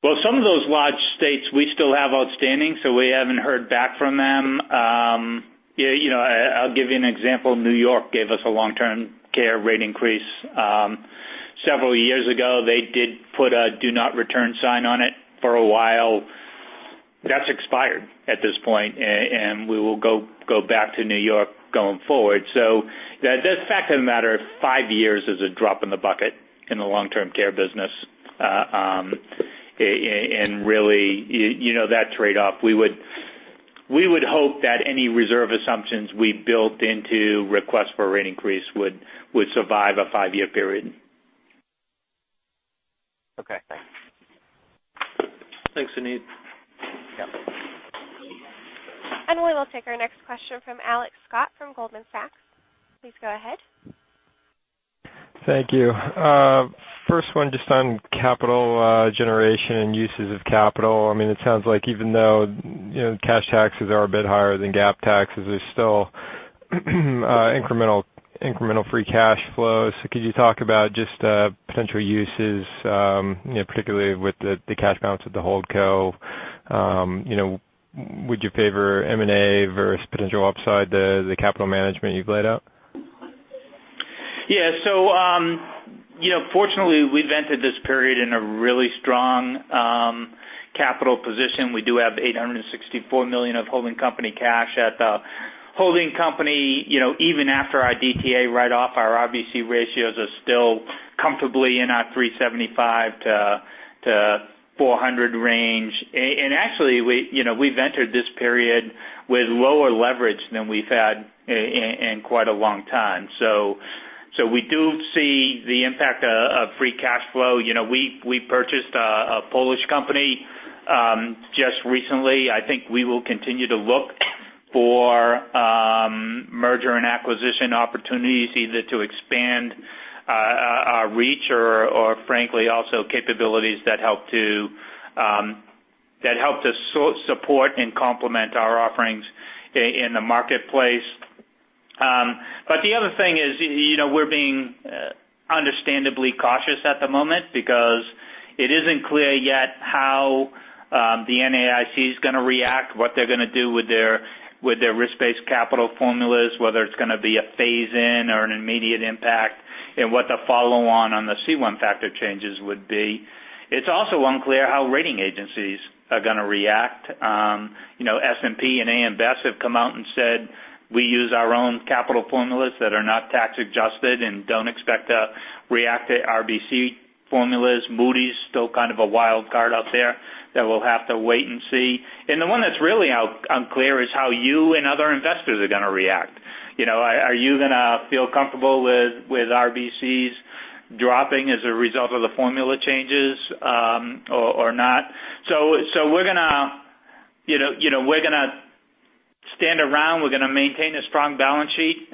Well, some of those large states we still have outstanding, so we haven't heard back from them. I'll give you an example. New York gave us a Long-Term Care rate increase several years ago. They did put a do-not-return sign on it for a while. That's expired at this point, and we will go back to New York going forward. The fact of the matter, 5 years is a drop in the bucket in the Long-Term Care business. And really, that trade-off, we would hope that any reserve assumptions we built into requests for a rate increase would survive a 5-year period. Okay, thanks. Thanks, Suneet. Yep. We will take our next question from Alex Scott from Goldman Sachs. Please go ahead. Thank you. First one, just on capital generation and uses of capital. It sounds like even though cash taxes are a bit higher than GAAP taxes, there's still incremental free cash flow. Could you talk about just potential uses, particularly with the cash balance with the holdco? Would you favor M&A versus potential upside to the capital management you've laid out? Yeah. Fortunately, we've entered this period in a really strong capital position. We do have $864 million of holding company cash at the holding company. Even after our DTA write-off, our RBC ratios are still comfortably in our 375 to 400 range. Actually, we've entered this period with lower leverage than we've had in quite a long time. We do see the impact of free cash flow. We purchased a Polish company just recently. I think we will continue to look for merger and acquisition opportunities, either to expand our reach or frankly, also capabilities that help to support and complement our offerings in the marketplace. The other thing is, we're being understandably cautious at the moment because it isn't clear yet how the NAIC is going to react, what they're going to do with their risk-based capital formulas, whether it's going to be a phase-in or an immediate impact, and what the follow-on the C1 factor changes would be. It's also unclear how rating agencies are going to react. S&P and AM Best have come out and said, "We use our own capital formulas that are not tax-adjusted and don't expect to react to RBC formulas." Moody's still kind of a wild card out there that we'll have to wait and see. The one that's really unclear is how you and other investors are going to react. Are you going to feel comfortable with RBCs dropping as a result of the formula changes or not? We're going to stand around. We're going to maintain a strong balance sheet.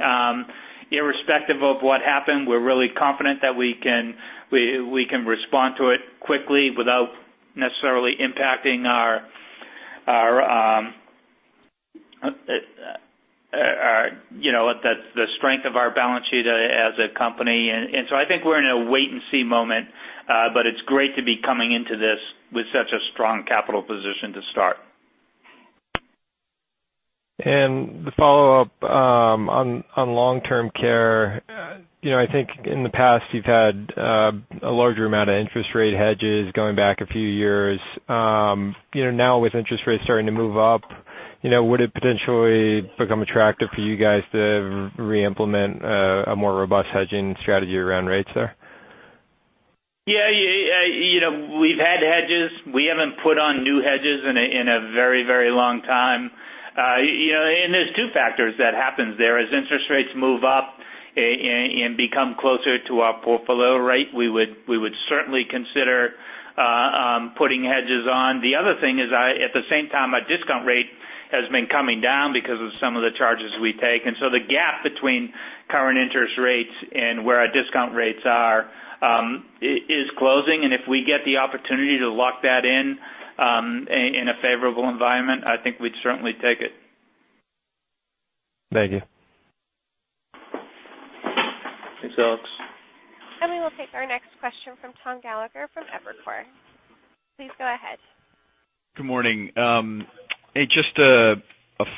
Irrespective of what happened, we're really confident that we can respond to it quickly without necessarily impacting the strength of our balance sheet as a company. I think we're in a wait-and-see moment. It's great to be coming into this with such a strong capital position to start. The follow-up on Long-Term Care. I think in the past, you've had a larger amount of interest rate hedges going back a few years. Now with interest rates starting to move up, would it potentially become attractive for you guys to re-implement a more robust hedging strategy around rates there? Yeah. We've had hedges. We haven't put on new hedges in a very long time. There's two factors that happens there. As interest rates move up and become closer to our portfolio rate, we would certainly consider putting hedges on. The other thing is at the same time, our discount rate has been coming down because of some of the charges we take. The gap between current interest rates and where our discount rates are is closing. If we get the opportunity to lock that in a favorable environment, I think we'd certainly take it. Thank you. Thanks, Alex. We will take our next question from Tom Gallagher from Evercore. Please go ahead. Good morning. Just a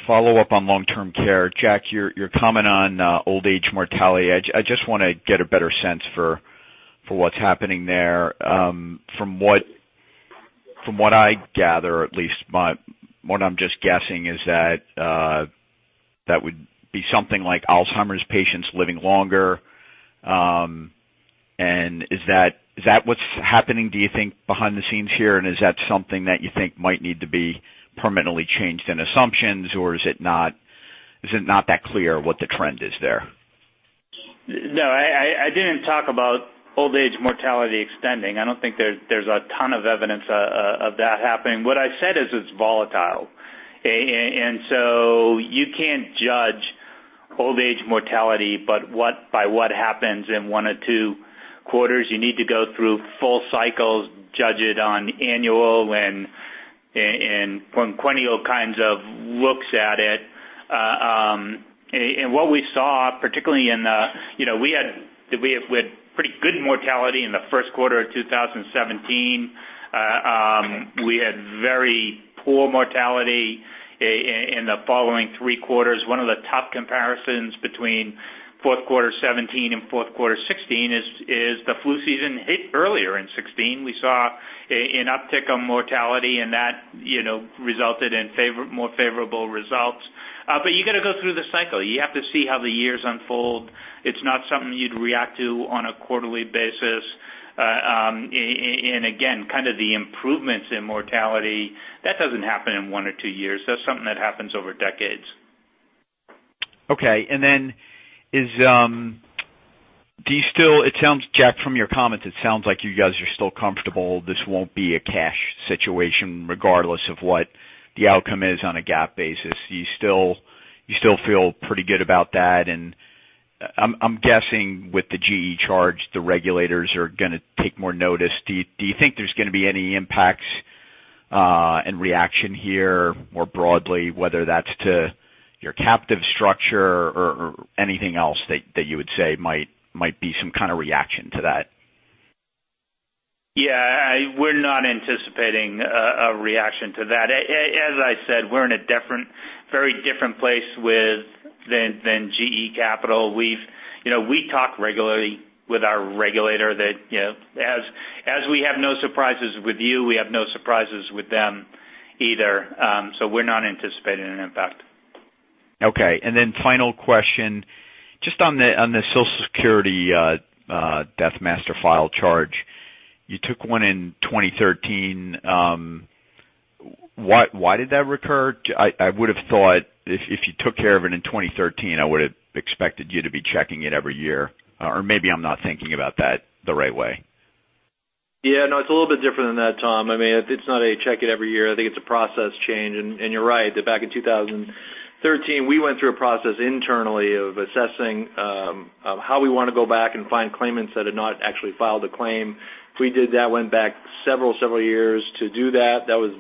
follow-up on Long-Term Care. Jack, your comment on old age mortality. I just want to get a better sense for what's happening there. From what I gather, at least what I'm just guessing is that would be something like Alzheimer's patients living longer. Is that what's happening, do you think, behind the scenes here? Is that something that you think might need to be permanently changed in assumptions, or is it not that clear what the trend is there? No, I didn't talk about old age mortality extending. I don't think there's a ton of evidence of that happening. What I said is it's volatile. You can't judge old age mortality by what happens in one or two quarters. You need to go through full cycles, judge it on annual and perennial kinds of looks at it. What we saw, particularly in the we had pretty good mortality in the first quarter of 2017. We had very poor mortality in the following three quarters. One of the top comparisons between Q4 2017 and Q4 2016 is the flu season hit earlier in 2016. We saw an uptick on mortality, and that resulted in more favorable results. You got to go through the cycle. You have to see how the years unfold. It's not something you'd react to on a quarterly basis. Again, kind of the improvements in mortality, that doesn't happen in one or two years. That's something that happens over decades. Okay. Jack, from your comments, it sounds like you guys are still comfortable this won't be a cash situation regardless of what the outcome is on a GAAP basis. Do you still feel pretty good about that? I'm guessing with the GE charge, the regulators are going to take more notice. Do you think there's going to be any impacts and reaction here more broadly, whether that's to your captive structure or anything else that you would say might be some kind of reaction to that? Yeah. We're not anticipating a reaction to that. As I said, we're in a very different place than GE Capital. We talk regularly with our regulator that as we have no surprises with you, we have no surprises with them either. We're not anticipating an impact. Okay. Final question, just on the Social Security Death Master File charge. You took one in 2013. Why did that recur? I would've thought if you took care of it in 2013, I would've expected you to be checking it every year. Maybe I'm not thinking about that the right way. Yeah. No, it's a little bit different than that, Tom. It's not a check it every year. I think it's a process change. You're right, that back in 2013, we went through a process internally of assessing how we want to go back and find claimants that had not actually filed a claim. If we did that, went back several years to do that was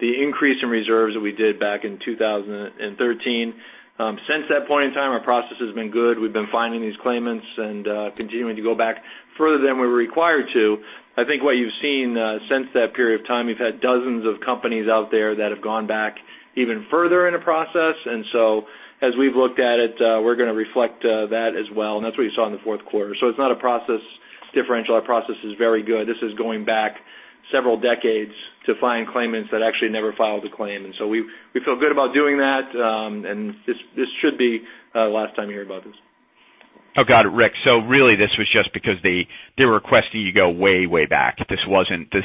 the increase in reserves that we did back in 2013. Since that point in time, our process has been good. We've been finding these claimants and continuing to go back further than we were required to. I think what you've seen since that period of time, we've had dozens of companies out there that have gone back even further in a process. As we've looked at it, we're going to reflect that as well, and that's what you saw in the fourth quarter. It's not a process differential. Our process is very good. This is going back several decades to find claimants that actually never filed a claim. We feel good about doing that. This should be the last time you hear about this. Oh, got it, Rick. Really this was just because they were requesting you go way back. This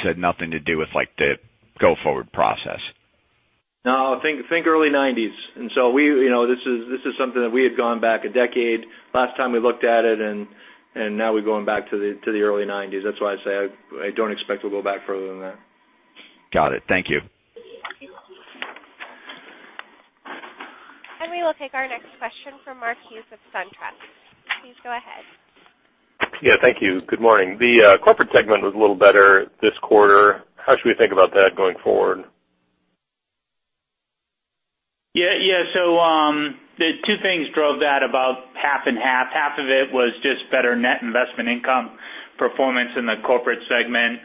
had nothing to do with the go forward process. No, think early '90s. This is something that we had gone back a decade last time we looked at it, and now we're going back to the early '90s. That's why I say I don't expect we'll go back further than that. Got it. Thank you. We will take our next question from Mark Hughes of SunTrust. Please go ahead. Yeah, thank you. Good morning. The corporate segment was a little better this quarter. How should we think about that going forward? Two things drove that about half and half. Half of it was just better net investment income performance in the corporate segment.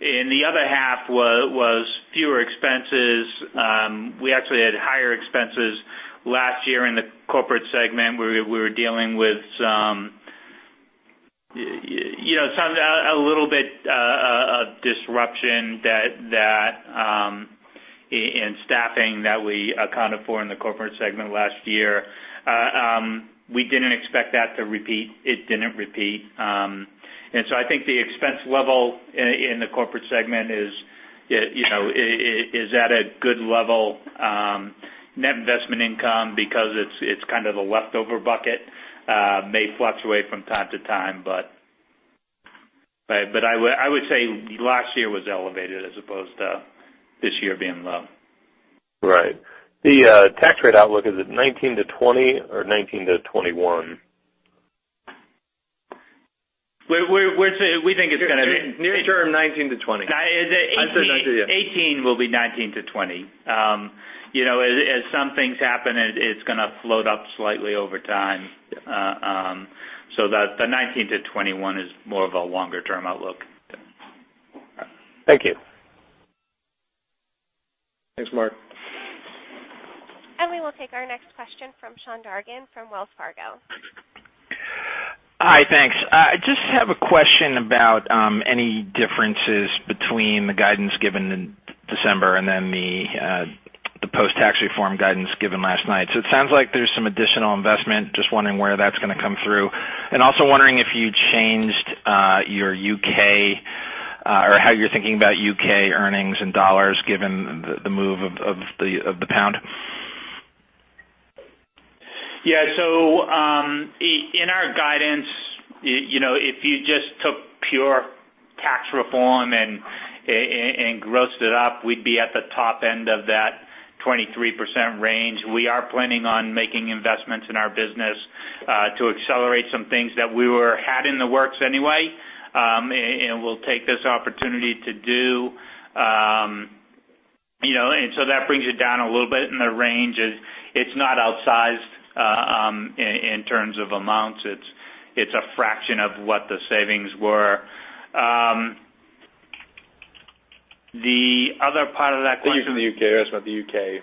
The other half was fewer expenses. We actually had higher expenses last year in the corporate segment where we were dealing with some a little bit of disruption in staffing that we accounted for in the corporate segment last year. We didn't expect that to repeat. It didn't repeat. I think the expense level in the corporate segment is at a good level. Net investment income because it's kind of the leftover bucket may fluctuate from time to time. I would say last year was elevated as opposed to this year being low. Right. The tax rate outlook, is it 19-20 or 19-21? We think it's going to be- Near term 19-20. 18 will be 19-20. As some things happen, it's going to float up slightly over time. The 19-21 is more of a longer-term outlook. Thank you. Thanks, Mark. We will take our next question from Sean Dargan from Wells Fargo. Hi, thanks. I just have a question about any differences between the guidance given in December and then the post-tax reform guidance given last night. It sounds like there's some additional investment. Just wondering where that's going to come through. Also wondering if you changed your U.K. or how you're thinking about U.K. earnings in $ given the move of the pound. Yeah. In our guidance, if you just took pure tax reform and grossed it up, we'd be at the top end of that 23% range. We are planning on making investments in our business to accelerate some things that we had in the works anyway. We'll take this opportunity to do. That brings it down a little bit in the range. It's not outsized in terms of amounts. It's a fraction of what the savings were. The other part of that question- The use of the U.K. I was asking about the U.K.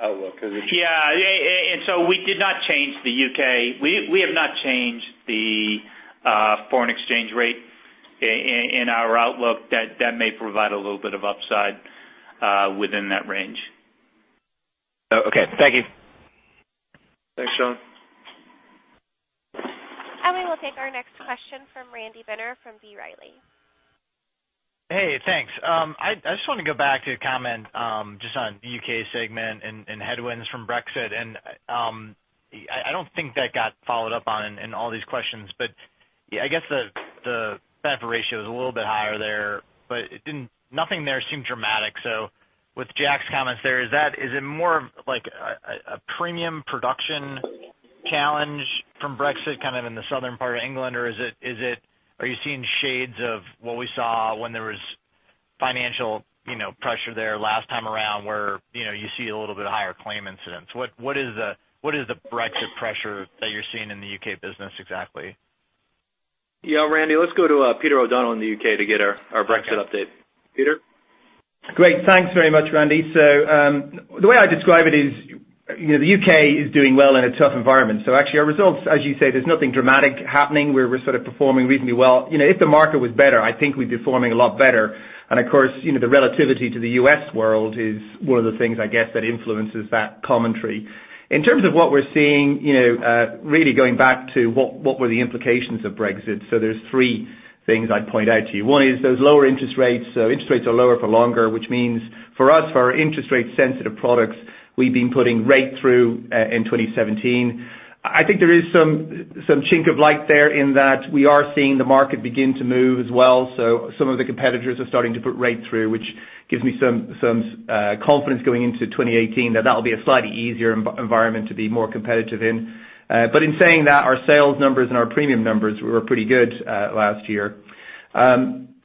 outlook. Is it- Yeah. We did not change the U.K. We have not changed the foreign exchange rate in our outlook. That may provide a little bit of upside within that range. Oh, okay. Thank you. Thanks, Sean. We will take our next question from Randy Binner from B. Riley. Hey, thanks. I just want to go back to your comment just on the U.K. segment and headwinds from Brexit. I don't think that got followed up on in all these questions, but I guess the benefit ratio is a little bit higher there, but nothing there seemed dramatic. With Jack's comments there, is it more of like a premium production challenge from Brexit kind of in the southern part of England, or are you seeing shades of what we saw when there was financial pressure there last time around where you see a little bit higher claim incidents. What is the Brexit pressure that you're seeing in the U.K. business exactly? Yeah, Randy Binner, let's go to Peter O'Donnell in the U.K. to get our Brexit update. Peter? Great. Thanks very much, Randy Binner. The way I describe it is the U.K. is doing well in a tough environment. Actually our results, as you say, there's nothing dramatic happening. We're sort of performing reasonably well. If the market was better, I think we'd be performing a lot better. Of course, the relativity to the U.S. world is one of the things, I guess, that influences that commentary. In terms of what we're seeing, really going back to what were the implications of Brexit. There's three things I'd point out to you. One is those lower interest rates. Interest rates are lower for longer, which means for us, for our interest rate sensitive products, we've been putting rate through, in 2017. I think there is some chink of light there in that we are seeing the market begin to move as well. Some of the competitors are starting to put rate through, which gives me some confidence going into 2018 that that'll be a slightly easier environment to be more competitive in. In saying that, our sales numbers and our premium numbers were pretty good last year.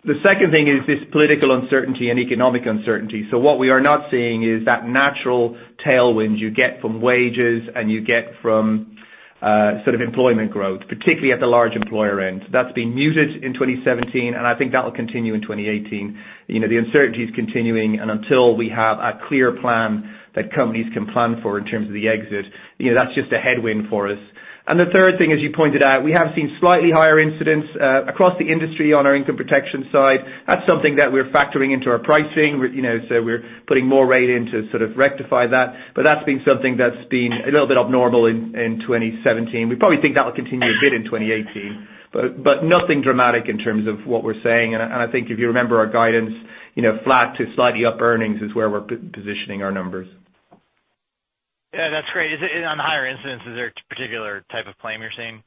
The second thing is this political uncertainty and economic uncertainty. What we are not seeing is that natural tailwind you get from wages and you get from employment growth, particularly at the large employer end. That's been muted in 2017, and I think that will continue in 2018. The uncertainty's continuing, and until we have a clear plan that companies can plan for in terms of the exit, that's just a headwind for us. The third thing, as you pointed out, we have seen slightly higher incidents across the industry on our income protection side. That's something that we're factoring into our pricing, we're putting more rate in to sort of rectify that. But that's been something that's been a little bit abnormal in 2017. We probably think that will continue a bit in 2018, but nothing dramatic in terms of what we're saying. I think if you remember our guidance, flat to slightly up earnings is where we're positioning our numbers. Yeah, that's great. On the higher incidents, is there a particular type of claim you're seeing?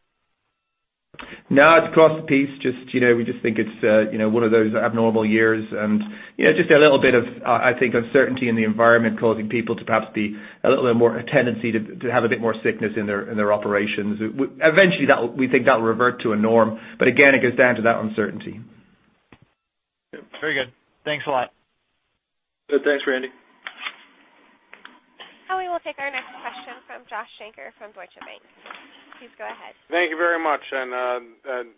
No, it's across the piece. We just think it's one of those abnormal years and just a little bit of, I think, uncertainty in the environment causing people to perhaps be a little bit more tendency to have a bit more sickness in their operations. Eventually, we think that'll revert to a norm. Again, it goes down to that uncertainty. Very good. Thanks a lot. Good. Thanks, Randy. Now we will take our next question from Joshua Shanker from Deutsche Bank. Please go ahead. Thank you very much. I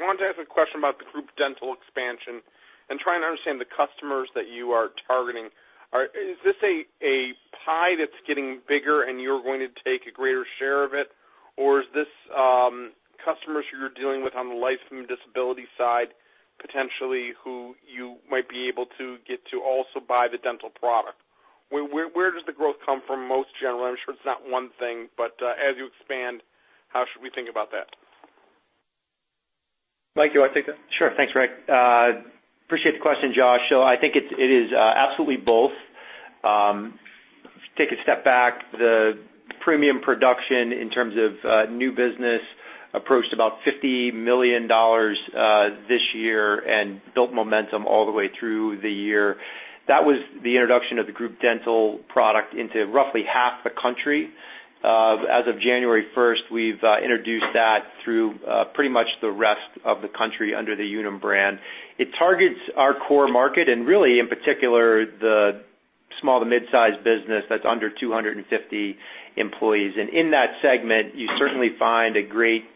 wanted to ask a question about the Group Dental expansion and trying to understand the customers that you are targeting. Is this a pie that's getting bigger and you're going to take a greater share of it? Or is this customers you're dealing with on the Life and Disability side, potentially who you might be able to get to also buy the Dental product? Where does the growth come from most generally? I'm sure it's not one thing, but as you expand, how should we think about that? Mike, you want to take that? Sure. Thanks, Rick. Appreciate the question, Josh. I think it is absolutely both. Take a step back, the premium production in terms of new business approached about $50 million this year and built momentum all the way through the year. That was the introduction of the Group Dental product into roughly half the country. As of January 1st, we've introduced that through pretty much the rest of the country under the Unum brand. It targets our core market and really in particular, the small to mid-size business that's under 250 employees. In that segment, you certainly find a great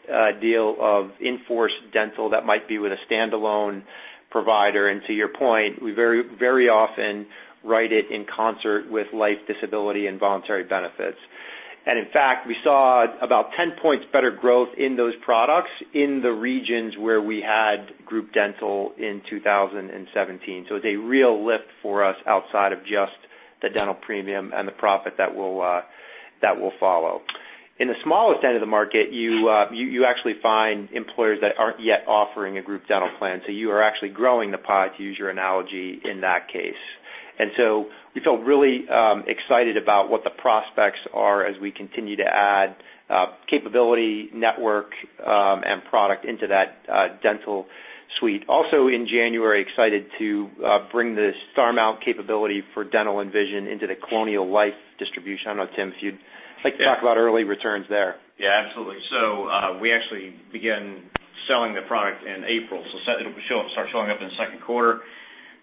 deal of in-force Dental that might be with a standalone provider. To your point, we very often write it in concert with Life, Disability, and Voluntary Benefits. In fact, we saw about 10 points better growth in those products in the regions where we had Group Dental in 2017. It's a real lift for us outside of just the Dental premium and the profit that will follow. In the smallest end of the market, you actually find employers that aren't yet offering a Group Dental plan, so you are actually growing the pie, to use your analogy in that case. We feel really excited about what the prospects are as we continue to add capability, network, and product into that Dental suite. Also in January, excited to bring the Starmount capability for Dental and Vision into the Colonial Life distribution. I don't know, Tim, if you'd like to talk about early returns there. Yeah, absolutely. We actually began selling the product in April, so it'll start showing up in the second quarter.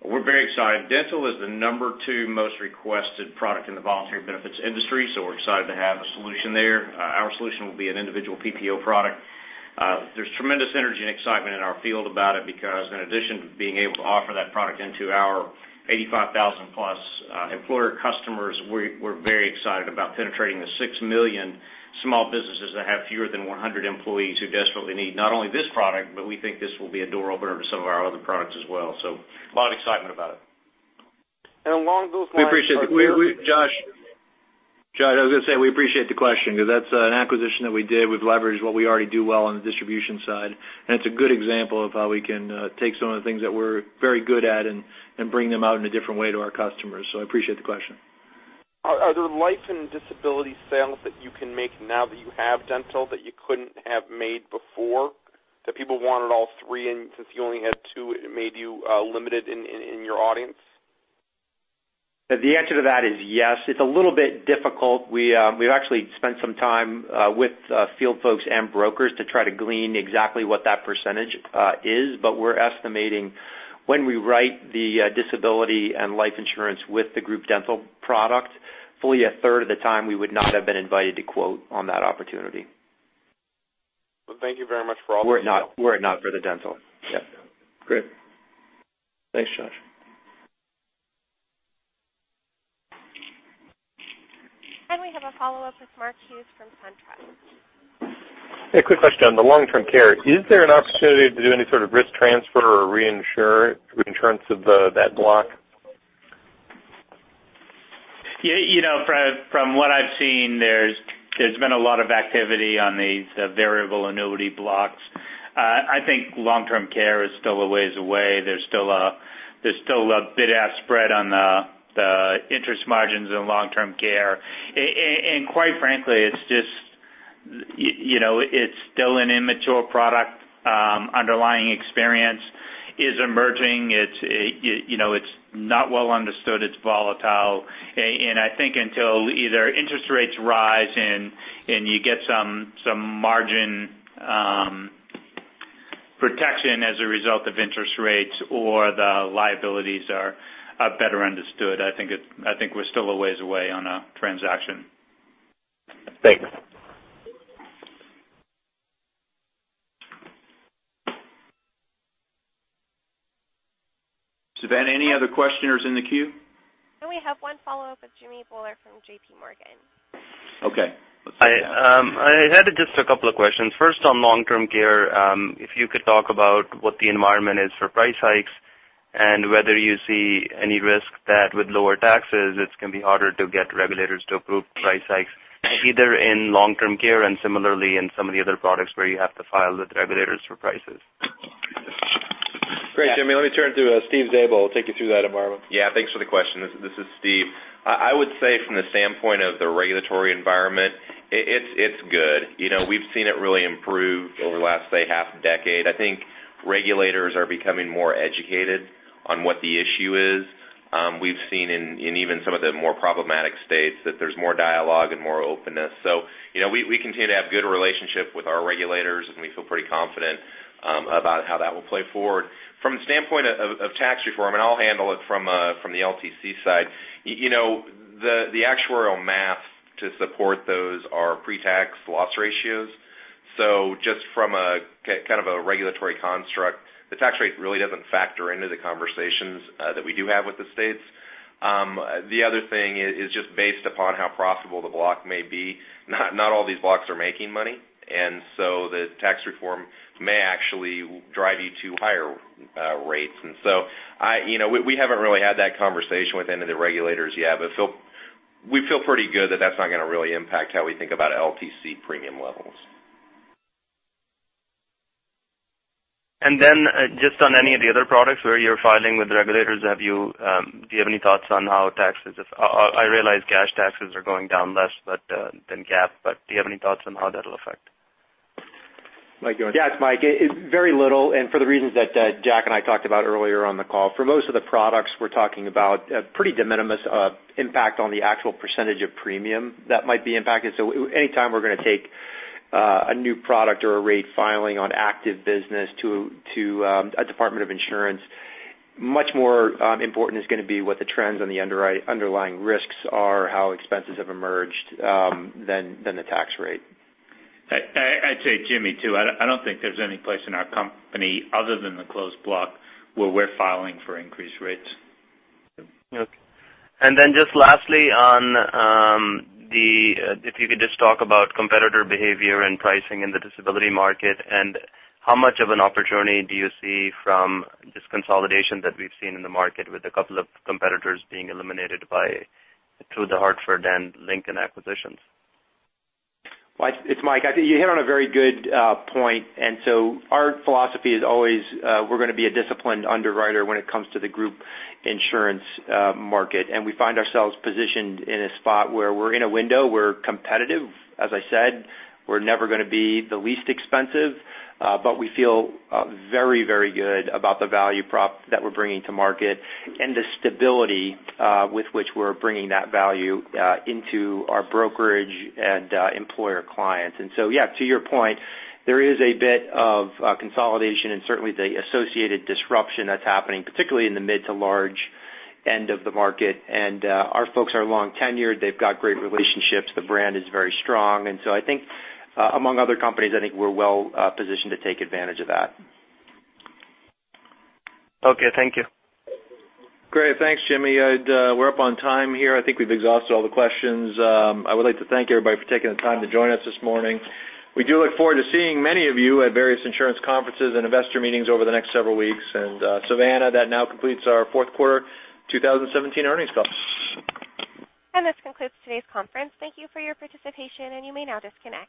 We're very excited. Dental is the number 2 most requested product in the voluntary benefits industry, so we're excited to have a solution there. Our solution will be an Individual PPO product. There's tremendous energy and excitement in our field about it because in addition to being able to offer that product into our 85,000-plus employer customers, we're very excited about penetrating the 6 million small businesses that have fewer than 100 employees who desperately need not only this product, but we think this will be a door opener to some of our other products as well. A lot of excitement about it. We appreciate it. Josh, I was going to say we appreciate the question because that's an acquisition that we did. We've leveraged what we already do well on the distribution side, and it's a good example of how we can take some of the things that we're very good at and bring them out in a different way to our customers. I appreciate the question. Are there life and Disability sales that you can make now that you have Dental that you couldn't have made before? That people wanted all three, and since you only had two, it made you limited in your audience? The answer to that is yes. It's a little bit difficult. We've actually spent some time with field folks and brokers to try to glean exactly what that percentage is. We're estimating when we write the disability and life insurance with the group dental product, fully a third of the time, we would not have been invited to quote on that opportunity. Well, thank you very much for all- Were it not for the dental. Yes. Great. Thanks, Josh. We have a follow-up with Mark Hughes from SunTrust. Hey, quick question on the Long-Term Care. Is there an opportunity to do any sort of risk transfer or reinsurance of that block? From what I've seen, there's been a lot of activity on these variable annuity blocks. I think Long-Term Care is still a ways away. There's still a bid-ask spread on the interest margins in Long-Term Care. Quite frankly, it's still an immature product. Underlying experience is emerging. It's not well understood. It's volatile. I think until either interest rates rise and you get some margin protection as a result of interest rates or the liabilities are better understood, I think we're still a ways away on a transaction. Thanks. Savannah, any other questioners in the queue? We have one follow-up with Jimmy Bhullar from JPMorgan. Okay. I had just a couple of questions. First, on Long-Term Care, if you could talk about what the environment is for price hikes and whether you see any risk that with lower taxes, it's going to be harder to get regulators to approve price hikes, either in Long-Term Care and similarly in some of the other products where you have to file with regulators for prices. Great, Jimmy. Let me turn to Steve Zabel. He'll take you through that environment. Thanks for the question. This is Steve. I would say from the standpoint of the regulatory environment, it's good. We've seen it really improve over the last, say, half decade. I think regulators are becoming more educated on what the issue is. We've seen in even some of the more problematic states that there's more dialogue and more openness. We continue to have good relationship with our regulators, and we feel pretty confident about how that will play forward. From the standpoint of tax reform, and I'll handle it from the LTC side, the actuarial math to support those are pre-tax loss ratios. Just from a regulatory construct, the tax rate really doesn't factor into the conversations that we do have with the states. The other thing is just based upon how profitable the block may be. Not all these blocks are making money, the tax reform may actually drive you to higher rates. We haven't really had that conversation with any of the regulators yet, but we feel pretty good that that's not going to really impact how we think about LTC premium levels. Just on any of the other products where you're filing with the regulators, do you have any thoughts on how taxes, I realize cash taxes are going down less than GAAP, but do you have any thoughts on how that'll affect? It's Mike. Very little, for the reasons that Jack and I talked about earlier on the call. For most of the products, we're talking about a pretty de minimis impact on the actual percentage of premium that might be impacted. Anytime we're going to take a new product or a rate filing on active business to a department of insurance, much more important is going to be what the trends on the underlying risks are, how expenses have emerged, than the tax rate. I'd say, Jimmy, too, I don't think there's any place in our company other than the Closed Block where we're filing for increased rates. Lastly, if you could just talk about competitor behavior and pricing in the disability market, and how much of an opportunity do you see from this consolidation that we've seen in the market with a couple of competitors being eliminated through The Hartford and Lincoln acquisitions? Mike, it's Mike. I think you hit on a very good point. Our philosophy is always we're going to be a disciplined underwriter when it comes to the group insurance market. We find ourselves positioned in a spot where we're in a window. We're competitive. As I said, we're never going to be the least expensive, but we feel very good about the value prop that we're bringing to market and the stability with which we're bringing that value into our brokerage and employer clients. Yeah, to your point, there is a bit of consolidation and certainly the associated disruption that's happening, particularly in the mid to large end of the market. Our folks are long tenured. They've got great relationships. The brand is very strong, I think among other companies, I think we're well positioned to take advantage of that. Okay. Thank you. Great. Thanks, Jimmy. We're up on time here. I think we've exhausted all the questions. I would like to thank everybody for taking the time to join us this morning. We do look forward to seeing many of you at various insurance conferences and investor meetings over the next several weeks. Savannah, that now completes our fourth quarter 2017 earnings call. This concludes today's conference. Thank you for your participation, and you may now disconnect.